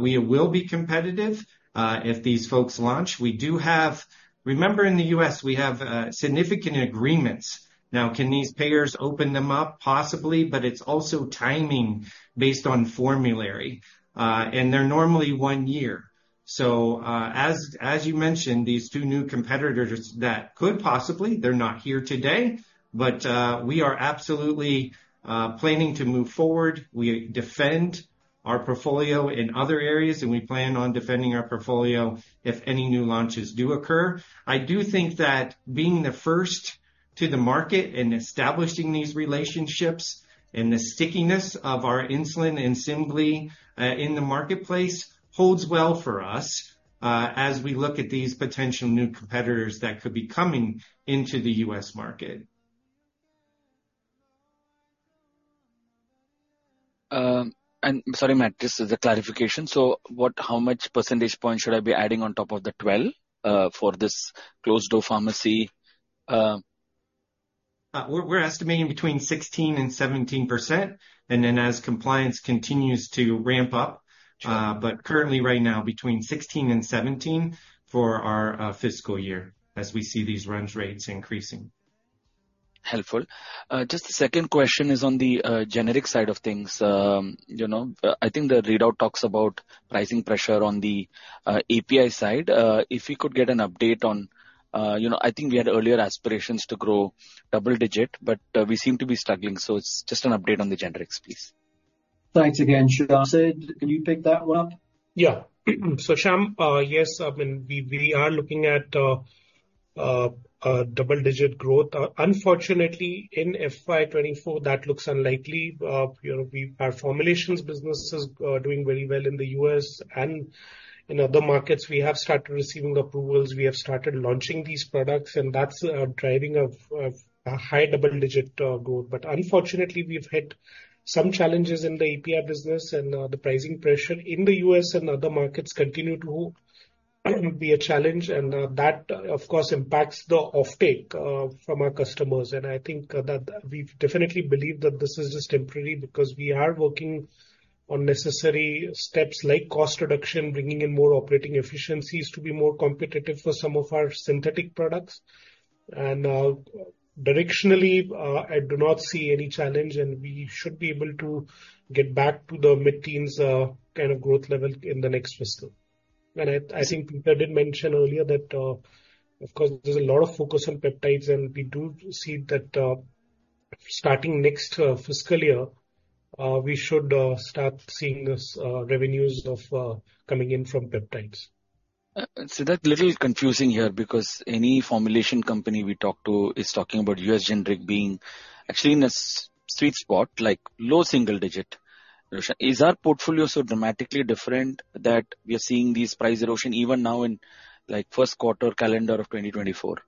We will be competitive if these folks launch. We do have, remember, in the U.S., we have significant agreements. Now, can these payers open them up? Possibly, but it's also timing based on formulary. And they're normally one year. So as you mentioned, these two new competitors that could possibly—they're not here today, but we are absolutely planning to move forward. We defend our portfolio in other areas, and we plan on defending our portfolio if any new launches do occur. I do think that being the first to the market and establishing these relationships and the stickiness of our insulin and Semglee in the marketplace holds well for us as we look at these potential new competitors that could be coming into the U.S. market. And sorry, Matt, just as a clarification, so how much percentage point should I be adding on top of the 12 for this closed-door pharmacy? We're estimating between 16%-17%, and then as compliance continues to ramp up, but currently, right now, between 16%-17% for our fiscal year as we see these run rates increasing. Helpful. Just the second question is on the generic side of things. I think the readout talks about pricing pressure on the API side. If we could get an update on I think we had earlier aspirations to grow double-digit, but we seem to be struggling. So it's just an update on the generics, please. Thanks again, Shyam. Sid, can you pick that one up? Yeah. So Shyam, yes. I mean, we are looking at double-digit growth. Unfortunately, in FY 2024, that looks unlikely. Our formulations business is doing very well in the U.S. and in other markets. We have started receiving approvals. We have started launching these products, and that's driving a high double-digit growth. But unfortunately, we've hit some challenges in the API business, and the pricing pressure in the U.S. and other markets continue to be a challenge. And that, of course, impacts the offtake from our customers. And I think that we definitely believe that this is just temporary because we are working on necessary steps like cost reduction, bringing in more operating efficiencies to be more competitive for some of our synthetic products. Directionally, I do not see any challenge, and we should be able to get back to the mid-teens kind of growth level in the next fiscal. I think Peter did mention earlier that, of course, there's a lot of focus on peptides, and we do see that starting next fiscal year, we should start seeing revenues coming in from peptides. See, that's a little confusing here because any formulation company we talk to is talking about U.S. generic being actually in a sweet spot, like low single-digit. Is our portfolio so dramatically different that we are seeing this price erosion even now in first quarter calendar of 2024?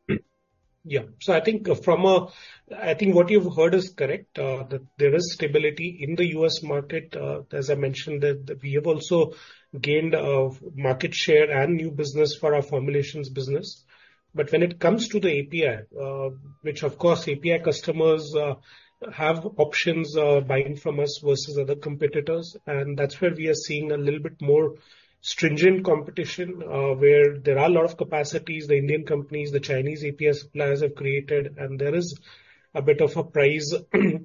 Yeah. So I think from a I think what you've heard is correct, that there is stability in the U.S. market. As I mentioned, we have also gained market share and new business for our formulations business. But when it comes to the API, which, of course, API customers have options buying from us versus other competitors, and that's where we are seeing a little bit more stringent competition where there are a lot of capacities the Indian companies, the Chinese API suppliers have created. And there is a bit of a price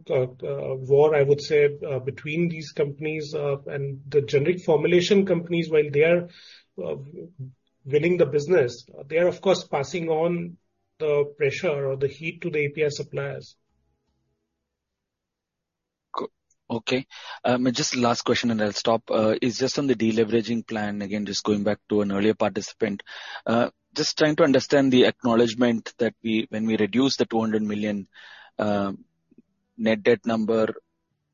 war, I would say, between these companies and the generic formulation companies. While they are winning the business, they are, of course, passing on the pressure or the heat to the API suppliers. Okay. Just last question, and I'll stop. It's just on the deleveraging plan. Again, just going back to an earlier participant, just trying to understand the acknowledgment that when we reduce the $200 million net debt number,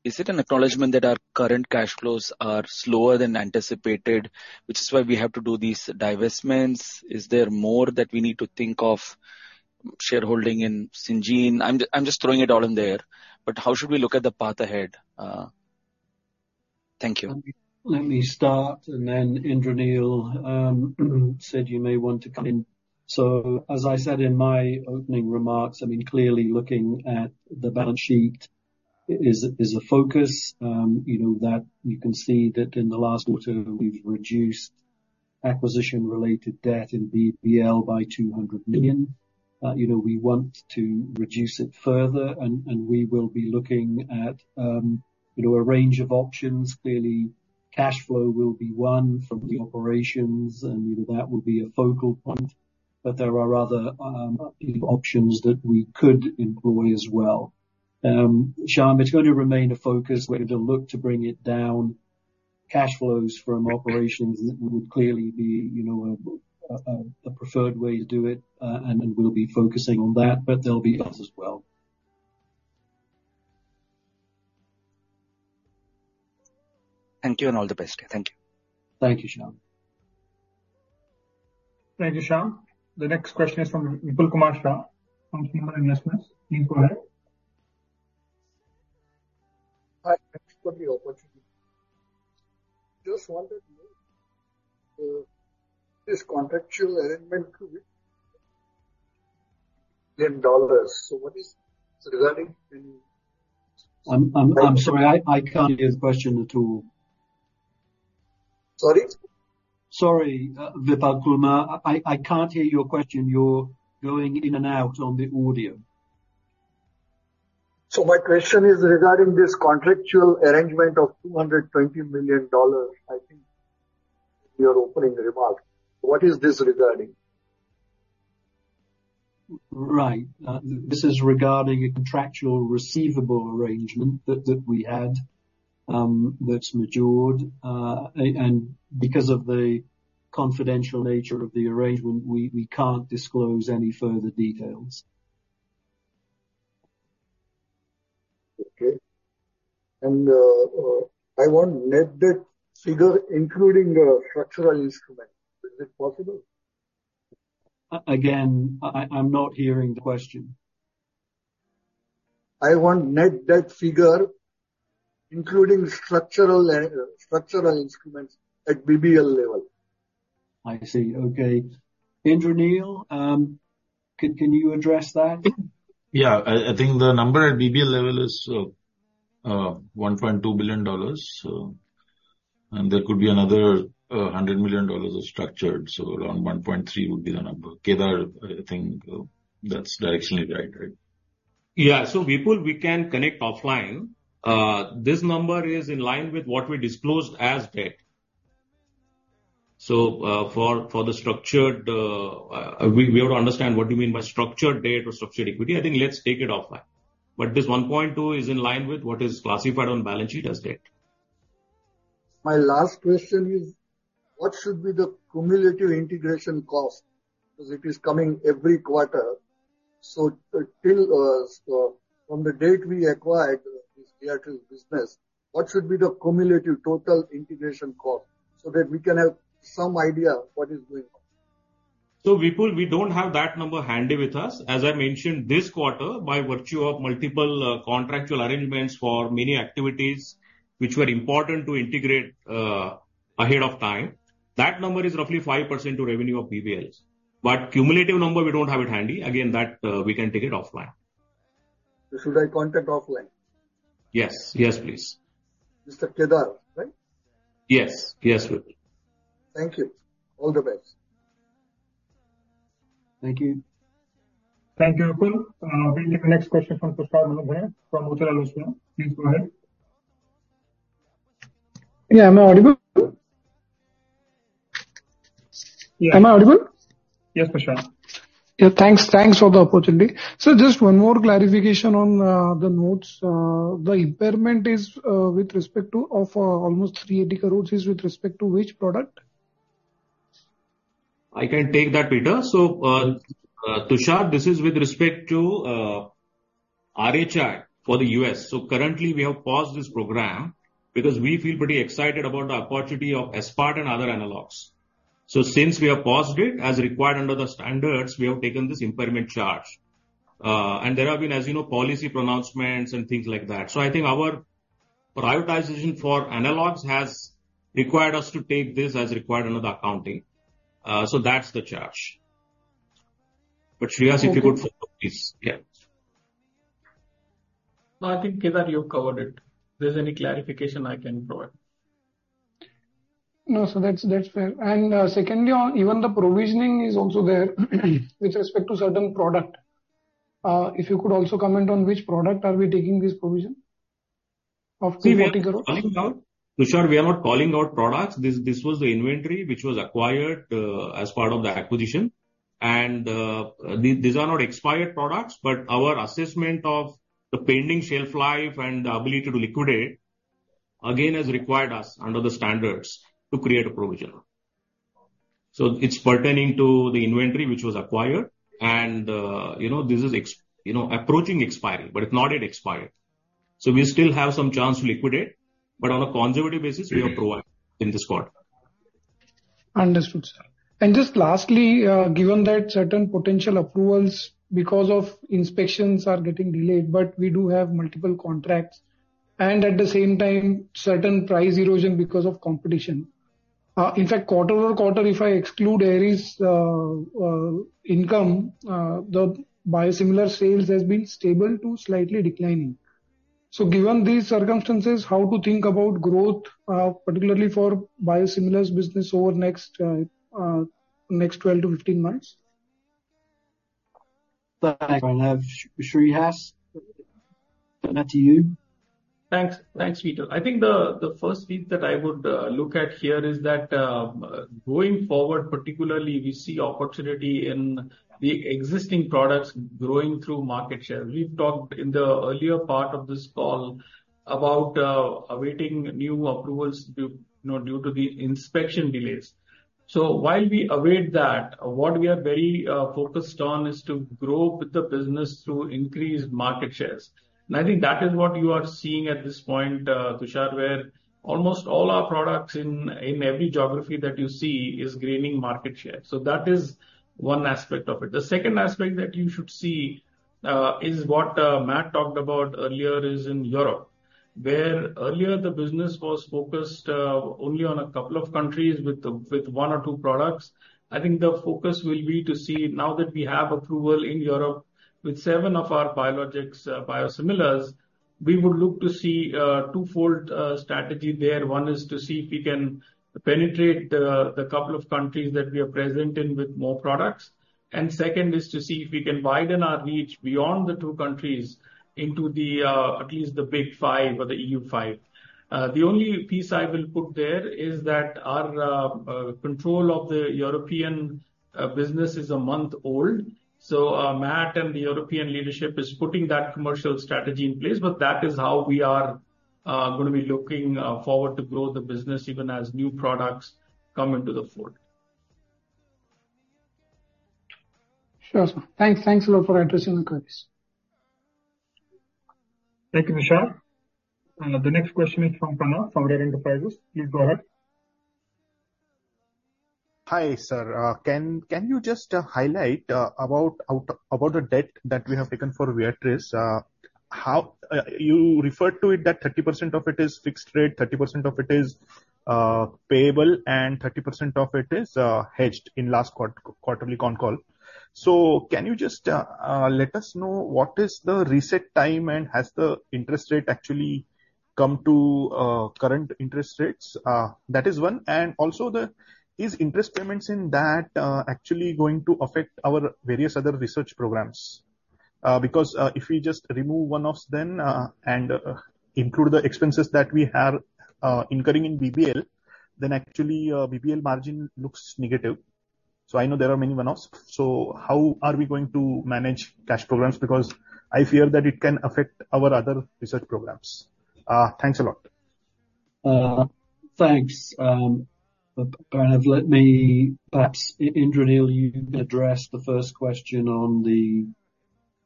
is it an acknowledgment that our current cash flows are slower than anticipated, which is why we have to do these divestments? Is there more that we need to think of, shareholding in Syngene? I'm just throwing it all in there. But how should we look at the path ahead? Thank you. Let me start, and then Indranil said you may want to come in. So as I said in my opening remarks, I mean, clearly looking at the balance sheet is a focus that you can see that in the last quarter, we've reduced acquisition-related debt in BBL by $200 million. We want to reduce it further, and we will be looking at a range of options. Clearly, cash flow will be one from the operations, and that will be a focal point. But there are other options that we could employ as well. Shyam, it's going to remain a focus. We're going to look to bring it down. Cash flows from operations would clearly be a preferred way to do it, and we'll be focusing on that. But there'll be others as well. Thank you and all the best. Thank you. Thank you, Shyam. Thank you, Shyam. The next question is from Vipulkumar Shah from Sumangal Investments. Please go ahead. Hi. Thanks for the opportunity. Just wanted to know this contractual arrangement to $1 billion. So what is regarding any? I'm sorry. I can't hear the question at all. Sorry? Sorry, Vipulkumar. I can't hear your question. You're going in and out on the audio. So my question is regarding this contractual arrangement of $220 million. I think you're opening remarks. What is this regarding? Right. This is regarding a contractual receivable arrangement that we had that's matured. And because of the confidential nature of the arrangement, we can't disclose any further details. Okay. And I want net debt figure including structural instruments. Is it possible? Again, I'm not hearing the question. I want net debt figure including structural instruments at BBL level. I see. Okay. Indranil, can you address that? Yeah. I think the number at BBL level is $1.2 billion, and there could be another $100 million of structured. So around $1.3 billion would be the number. Kedar, I think that's directionally right, right? Yeah. So Vipul, we can connect offline. This number is in line with what we disclosed as debt. So for the structured, we have to understand what you mean by structured debt or structured equity. I think let's take it offline. But this $1.2 billion is in line with what is classified on balance sheet as debt. My last question is, what should be the cumulative integration cost because it is coming every quarter? So from the date we acquired this Viatris business, what should be the cumulative total integration cost so that we can have some idea what is going on? So Vipul, we don't have that number handy with us. As I mentioned, this quarter, by virtue of multiple contractual arrangements for many activities which were important to integrate ahead of time, that number is roughly 5% of revenue of BBLs. But cumulative number, we don't have it handy. Again, we can take it offline. Should I contact offline? Yes. Yes, please. Mr. Kedar, right? Yes. Yes, Vipul. Thank you. All the best. Thank you. Thank you, Vipul. We'll take the next question from Tushar Manudhane from Motilal Oswal. Please go ahead. Yeah. Am I audible? Yeah. Am I audible? Yes, Tushar. Yeah. Thanks. Thanks for the opportunity. Sir, just one more clarification on the notes. The impairment with respect to almost 380 crore is with respect to which product? I can take that, Peter. So Tushar, this is with respect to RHI for the U.S. So currently, we have paused this program because we feel pretty excited about the opportunity of Aspart and other analogs. So since we have paused it as required under the standards, we have taken this impairment charge. And there have been, as you know, policy pronouncements and things like that. So I think our prioritization for analogs has required us to take this as required under the accounting. So that's the charge. But Shreehas, if you could follow, please. Yeah. No, I think, Kedar, you've covered it. There's any clarification I can provide? No. So that's fair. And secondly, even the provisioning is also there with respect to certain product. If you could also comment on which product are we taking this provision of 240 crore? Tushar, we are not calling out products. This was the inventory which was acquired as part of the acquisition. And these are not expired products, but our assessment of the pending shelf life and the ability to liquidate, again, has required us under the standards to create a provision. So it's pertaining to the inventory which was acquired. And this is approaching expiry, but it's not yet expired. So we still have some chance to liquidate, but on a conservative basis, we are providing in this quarter. Understood, sir. And just lastly, given that certain potential approvals because of inspections are getting delayed, but we do have multiple contracts, and at the same time, certain price erosion because of competition. In fact, quarter-over-quarter, if I exclude Eris income, the biosimilar sales have been stable to slightly declining. So given these circumstances, how to think about growth, particularly for biosimilars business over the next 12-15 months? Thanks, Shreehas. Send that to you. Thanks. Thanks, Vipul. I think the first thing that I would look at here is that going forward, particularly, we see opportunity in the existing products growing through market share. We've talked in the earlier part of this call about awaiting new approvals due to the inspection delays. So while we await that, what we are very focused on is to grow with the business through increased market shares. And I think that is what you are seeing at this point, Tushar, where almost all our products in every geography that you see are gaining market share. So that is one aspect of it. The second aspect that you should see is what Matt talked about earlier is in Europe, where earlier, the business was focused only on a couple of countries with one or two products. I think the focus will be to see now that we have approval in Europe with seven of our biosimilars, we would look to see a twofold strategy there. One is to see if we can penetrate the couple of countries that we are present in with more products. And second is to see if we can widen our reach beyond the two countries into at least the big five or the EU5. The only piece I will put there is that our control of the European business is a month old. So Matt and the European leadership are putting that commercial strategy in place, but that is how we are going to be looking forward to growing the business even as new products come into the fold. Sure. Thanks. Thanks a lot for addressing the queries. Thank you, Tushar. The next question is from Pranav from Rare Enterprises. Please go ahead. Hi, sir. Can you just highlight about the debt that we have taken for Viatris? You referred to it that 30% of it is fixed rate, 30% of it is payable, and 30% of it is hedged in last quarterly con-call. So can you just let us know what is the reset time, and has the interest rate actually come to current interest rates? That is one. And also, are interest payments in that actually going to affect our various other research programs? Because if we just remove one-offs then and include the expenses that we are incurring in BBL, then actually, BBL margin looks negative. So I know there are many one-offs. So how are we going to manage cash programs? Because I fear that it can affect our other research programs. Thanks a lot. Thanks. Let me perhaps, Indranil, you address the first question on the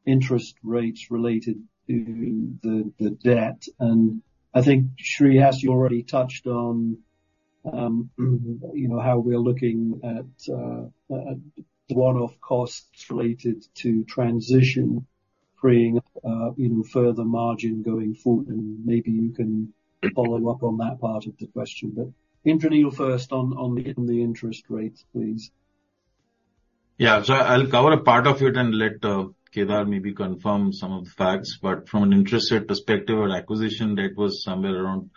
interest rates related to the debt. And I think, Shreehas, you already touched on how we're looking at one-off costs related to transition, creating further margin going forward. And maybe you can follow up on that part of the question. But Indranil, first, on the interest rates, please. Yeah. So I'll cover a part of it and let Kedar maybe confirm some of the facts. But from an interest rate perspective, our acquisition debt was somewhere around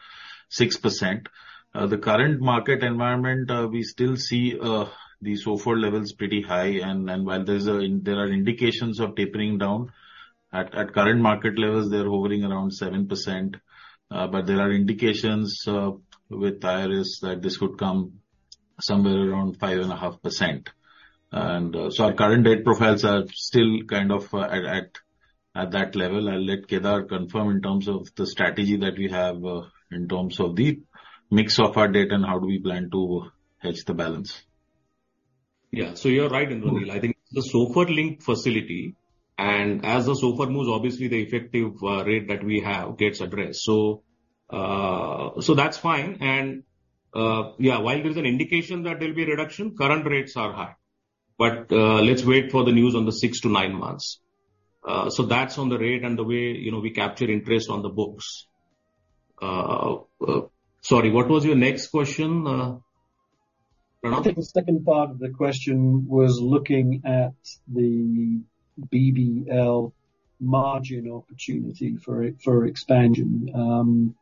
6%. The current market environment, we still see the SOFR levels pretty high. And while there are indications of tapering down, at current market levels, they're hovering around 7%. But there are indications with IRS that this could come somewhere around 5.5%. And so our current debt profiles are still kind of at that level. I'll let Kedar confirm in terms of the strategy that we have in terms of the mix of our debt and how do we plan to hedge the balance. Yeah. So you're right, Indranil. I think it's the SOFR linked facility. And as the SOFR moves, obviously, the effective rate that we have gets addressed. So that's fine. And yeah, while there's an indication that there'll be a reduction, current rates are high. But let's wait for the news on the six-nine months. So that's on the rate and the way we capture interest on the books. Sorry, what was your next question, Pranav? I think the second part of the question was looking at the BBL margin opportunity for expansion.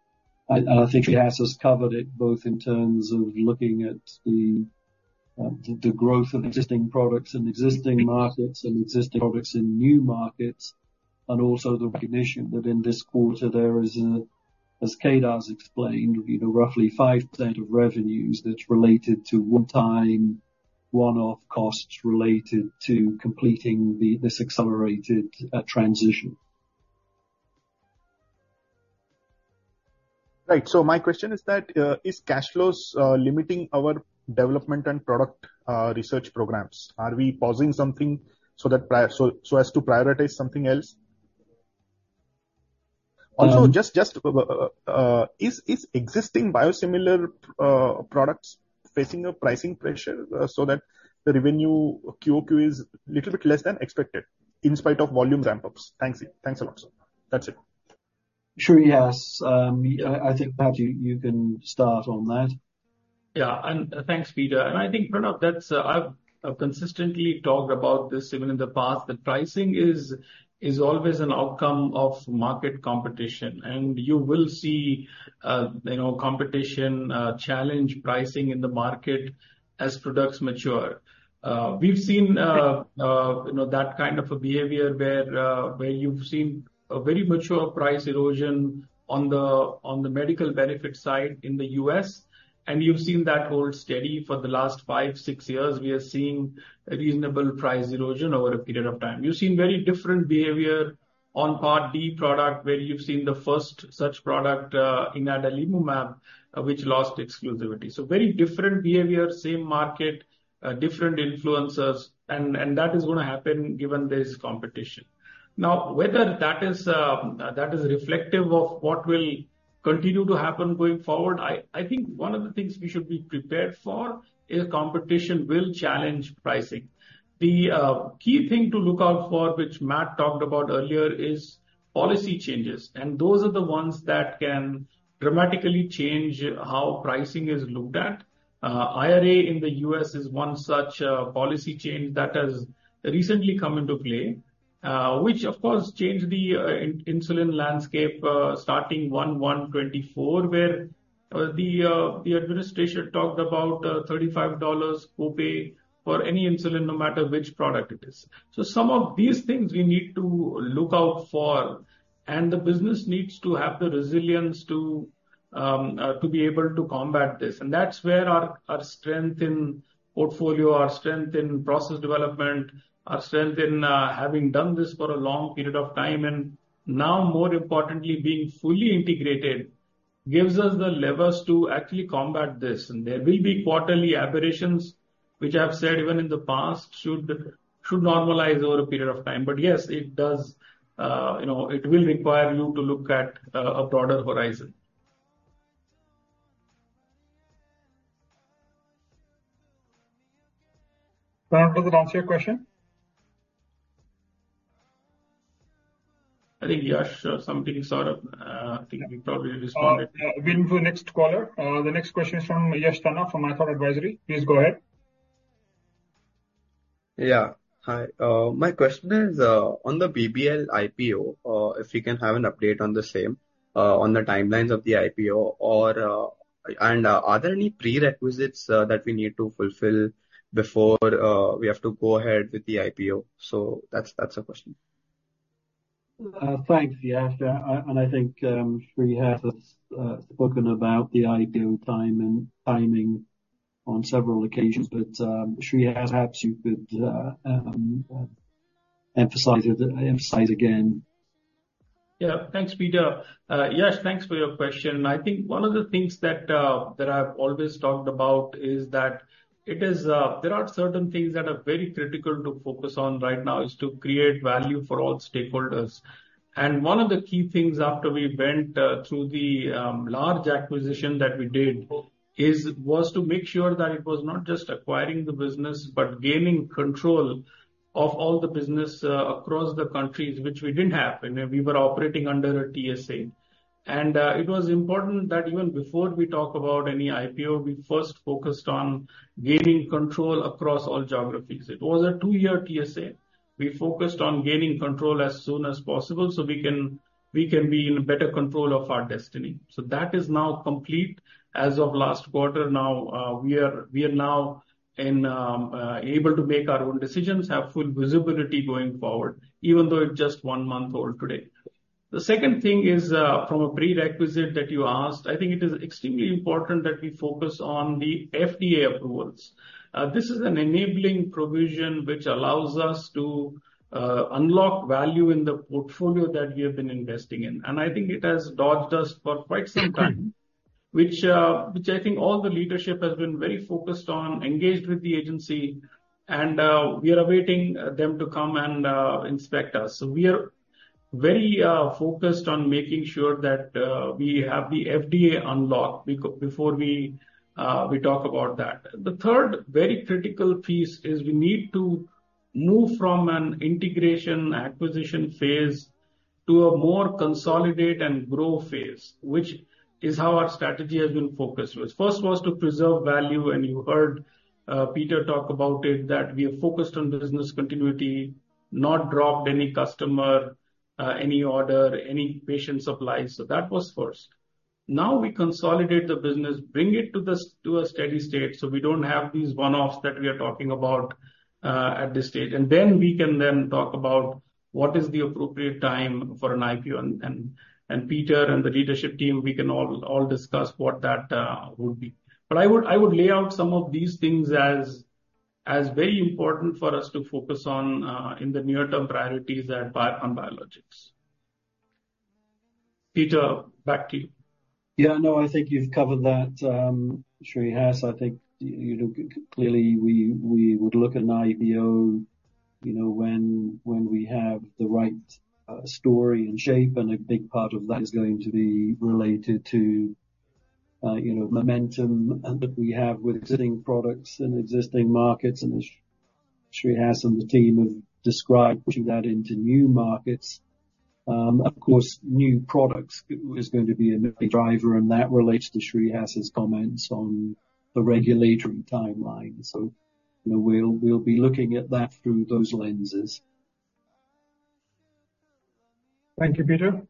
I think Shreehas has covered it both in terms of looking at the growth of existing products in existing markets and existing products in new markets and also the recognition that in this quarter, there is, as Kedar has explained, roughly 5% of revenues that's related to one-time one-off costs related to completing this accelerated transition. Right. So my question is that, is cash flows limiting our development and product research programs? Are we pausing something so as to prioritize something else? Also, is existing biosimilar products facing pricing pressure so that the revenue QoQ is a little bit less than expected in spite of volume ramp-ups? Thanks a lot, sir. That's it. Shreehas, I think, Matt, you can start on that. Yeah. Thanks, Peter. I think, Pranav, I've consistently talked about this even in the past, that pricing is always an outcome of market competition. You will see competition challenge pricing in the market as products mature. We've seen that kind of behavior where you've seen a very mature price erosion on the medical benefit side in the U.S. You've seen that hold steady for the last five, six years. We are seeing reasonable price erosion over a period of time. You've seen very different behavior on Part D product where you've seen the first such product, Adalimumab, which lost exclusivity. Very different behavior, same market, different influencers. That is going to happen given there's competition. Now, whether that is reflective of what will continue to happen going forward, I think one of the things we should be prepared for is competition will challenge pricing. The key thing to look out for, which Matt talked about earlier, is policy changes. Those are the ones that can dramatically change how pricing is looked at. IRA in the U.S. is one such policy change that has recently come into play, which, of course, changed the insulin landscape starting 01/01/2024 where the administration talked about $35 co-pay for any insulin, no matter which product it is. So some of these things we need to look out for. The business needs to have the resilience to be able to combat this. And that's where our strength in portfolio, our strength in process development, our strength in having done this for a long period of time, and now, more importantly, being fully integrated, gives us the levers to actually combat this. And there will be quarterly aberrations, which I've said even in the past, should normalize over a period of time. But yes, it will require you to look at a broader horizon. Pranav, does it answer your question? I think Yash, something sort of I think we probably responded. We'll move to the next caller. The next question is from Yash Tanna from ithought Advisory. Please go ahead. Yeah. Hi. My question is, on the BBL IPO, if we can have an update on the timelines of the IPO, and are there any prerequisites that we need to fulfill before we have to go ahead with the IPO? So that's a question. Thanks, Yash. And I think Shreehas has spoken about the IPO timing on several occasions. But Shreehas, perhaps you could emphasize again. Yeah. Thanks, Peter. Yash, thanks for your question. And I think one of the things that I've always talked about is that there are certain things that are very critical to focus on right now is to create value for all stakeholders. And one of the key things after we went through the large acquisition that we did was to make sure that it was not just acquiring the business but gaining control of all the business across the countries, which we didn't have. We were operating under a TSA. And it was important that even before we talk about any IPO, we first focused on gaining control across all geographies. It was a two-year TSA. We focused on gaining control as soon as possible so we can be in better control of our destiny. So that is now complete as of last quarter. Now, we are now able to make our own decisions, have full visibility going forward, even though it's just one month old today. The second thing is from a prerequisite that you asked, I think it is extremely important that we focus on the FDA approvals. This is an enabling provision which allows us to unlock value in the portfolio that we have been investing in. And I think it has dogged us for quite some time, which I think all the leadership has been very focused on, engaged with the agency. And we are awaiting them to come and inspect us. So we are very focused on making sure that we have the FDA unlocked before we talk about that. The third very critical piece is we need to move from an integration acquisition phase to a more consolidate and grow phase, which is how our strategy has been focused with. First was to preserve value. You heard Peter talk about it, that we have focused on business continuity, not dropped any customer, any order, any patient supplies. So that was first. Now, we consolidate the business, bring it to a steady state so we don't have these one-offs that we are talking about at this stage. Then we can then talk about what is the appropriate time for an IPO. Peter and the leadership team, we can all discuss what that would be. But I would lay out some of these things as very important for us to focus on in the near-term priorities on biologics. Peter, back to you. Yeah. No, I think you've covered that, Shreehas. I think, clearly, we would look at an IPO when we have the right story and shape. And a big part of that is going to be related to momentum that we have with existing products and existing markets. And as Shreehas and the team have described to that into new markets, of course, new products is going to be a driver. And that relates to Shreehas's comments on the regulatory timeline. So we'll be looking at that through those lenses. Thank you, Peter.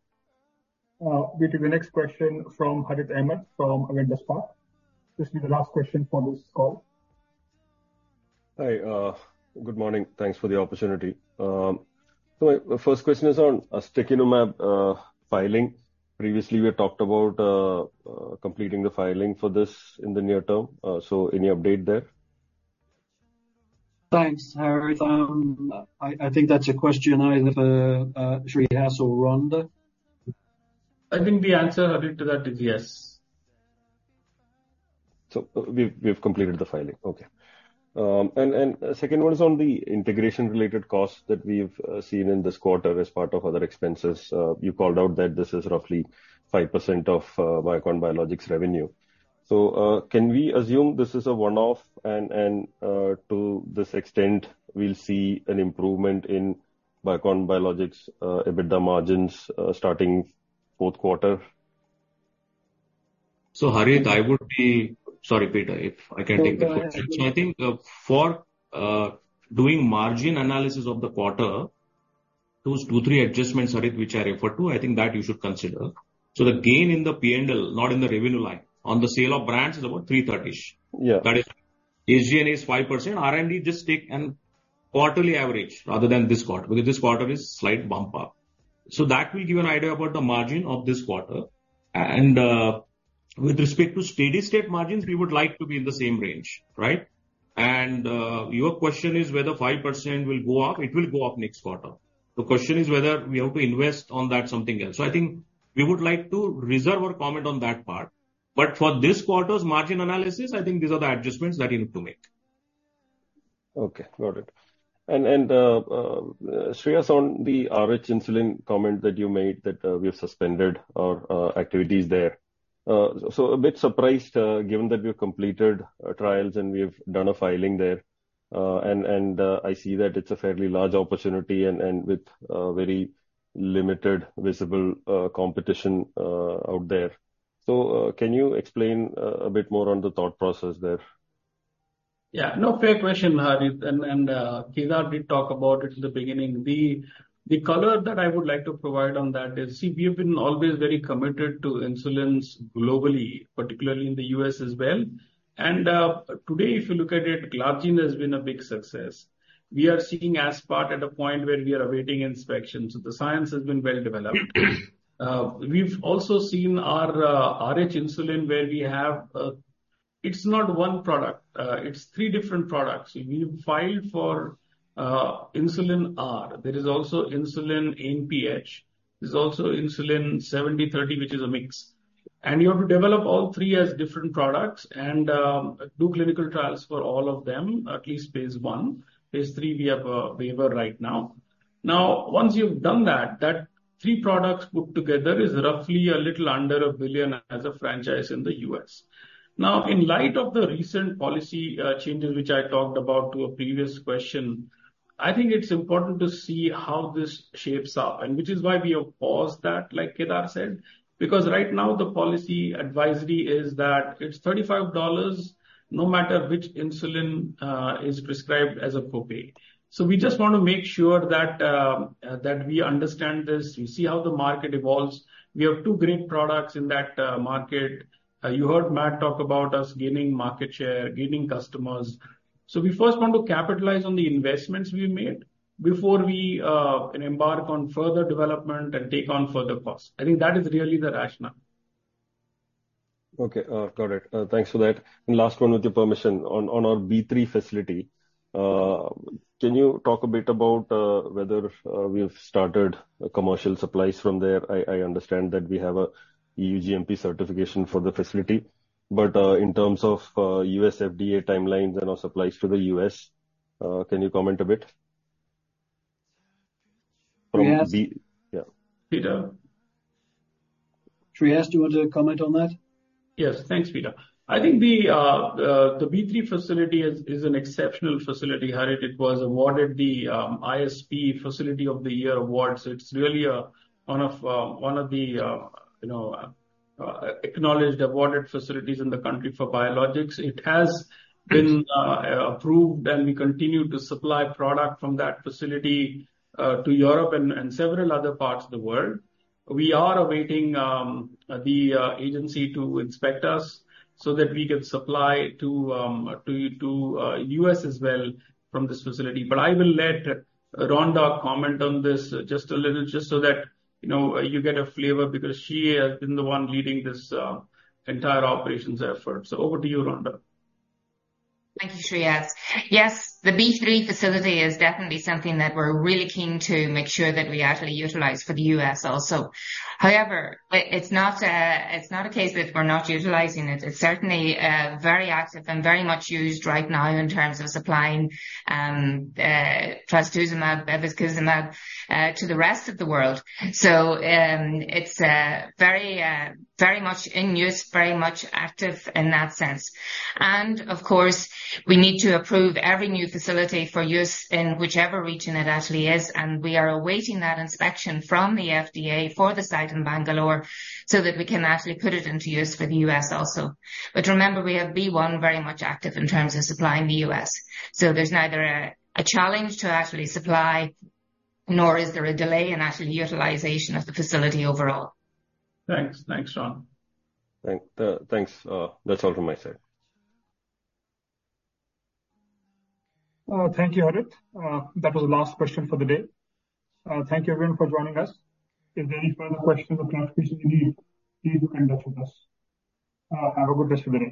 We'll take the next question from Harith Ahamed from Avendus Spark. This will be the last question for this call. Hi. Good morning. Thanks for the opportunity. So the first question is on Ustekinumab filing. Previously, we had talked about completing the filing for this in the near-term. So any update there? Thanks, Harith. I think that's a question either for Shreehas or Rhonda. I think the answer, Harith, to that is yes. So we've completed the filing. Okay. And the second one is on the integration-related costs that we've seen in this quarter as part of other expenses. You called out that this is roughly 5% of Biocon Biologics' revenue. So can we assume this is a one-off, and to this extent, we'll see an improvement in Biocon Biologics' EBITDA margins starting fourth quarter? So Harith, I would be sorry, Peter, if I can take the question. So I think for doing margin analysis of the quarter, those two, three adjustments, Harith, which I referred to, I think that you should consider. So the gain in the P&L, not in the revenue line, on the sale of brands is about 330-ish. That is, SG&A is 5%. R&D, just take a quarterly average rather than this quarter because this quarter is slight bump-up. So that will give an idea about the margin of this quarter. And with respect to steady-state margins, we would like to be in the same range, right? And your question is whether 5% will go up. It will go up next quarter. The question is whether we have to invest on that something else. So I think we would like to reserve our comment on that part. But for this quarter's margin analysis, I think these are the adjustments that you need to make. Okay. Got it. And Shreehas, on the RH insulin comment that you made that we have suspended our activities there, so a bit surprised given that we have completed trials and we have done a filing there. I see that it's a fairly large opportunity and with very limited visible competition out there. So can you explain a bit more on the thought process there? Yeah. No, fair question, Harith. And Kedar did talk about it in the beginning. The color that I would like to provide on that is, see, we have been always very committed to insulins globally, particularly in the U.S. as well. And today, if you look at it, Glargine has been a big success. We are seeing Aspart at a point where we are awaiting inspection. So the science has been well developed. We've also seen our RH insulin where we have it's not one product. It's three different products. We've filed for insulin R. There is also insulin NPH. There's also insulin 70/30, which is a mix. You have to develop all three as different products and do clinical trials for all of them, at least phase I. Phase III, we have a waiver right now. Now, once you've done that, that three products put together is roughly a little under $1 billion as a franchise in the U.S. Now, in light of the recent policy changes, which I talked about to a previous question, I think it's important to see how this shapes up, and which is why we have paused that, like Kedar said, because right now, the policy advisory is that it's $35 no matter which insulin is prescribed as a co-pay. So we just want to make sure that we understand this. We see how the market evolves. We have two great products in that market. You heard Matt talk about us gaining market share, gaining customers. So we first want to capitalize on the investments we made before we embark on further development and take on further costs. I think that is really the rationale. Okay. Got it. Thanks for that. And last one, with your permission, on our B3 facility, can you talk a bit about whether we have started commercial supplies from there? I understand that we have an EU GMP certification for the facility. But in terms of U.S. FDA timelines and our supplies to the U.S., can you comment a bit? Yes. Peter? Shreehas, do you want to comment on that? Yes. Thanks, Peter. I think the B3 facility is an exceptional facility, Harith. It was awarded the ISPE Facility of the Year award. So it's really one of the acknowledged, awarded facilities in the country for biologics. It has been approved, and we continue to supply product from that facility to Europe and several other parts of the world. We are awaiting the agency to inspect us so that we can supply to the U.S. as well from this facility. But I will let Rhonda comment on this just a little just so that you get a flavor because she has been the one leading this entire operations effort. So over to you, Rhonda. Thank you, Shreehas. Yes, the B3 facility is definitely something that we're really keen to make sure that we actually utilize for the U.S. also. However, it's not a case that we're not utilizing it. It's certainly very active and very much used right now in terms of supplying Trastuzumab, Bevacizumab to the rest of the world. So it's very much in use, very much active in that sense. Of course, we need to approve every new facility for use in whichever region it actually is. We are awaiting that inspection from the FDA for the site in Bangalore so that we can actually put it into use for the U.S. also. Remember, we have B1 very much active in terms of supplying the U.S. There's neither a challenge to actually supply, nor is there a delay in actually utilization of the facility overall. Thanks. Thanks, Rhonda. Thanks. That's all from my side. Thank you, Harith. That was the last question for the day. Thank you, everyone, for joining us. If there are any further questions or clarifications you need, please do contact with us. Have a good rest of the day.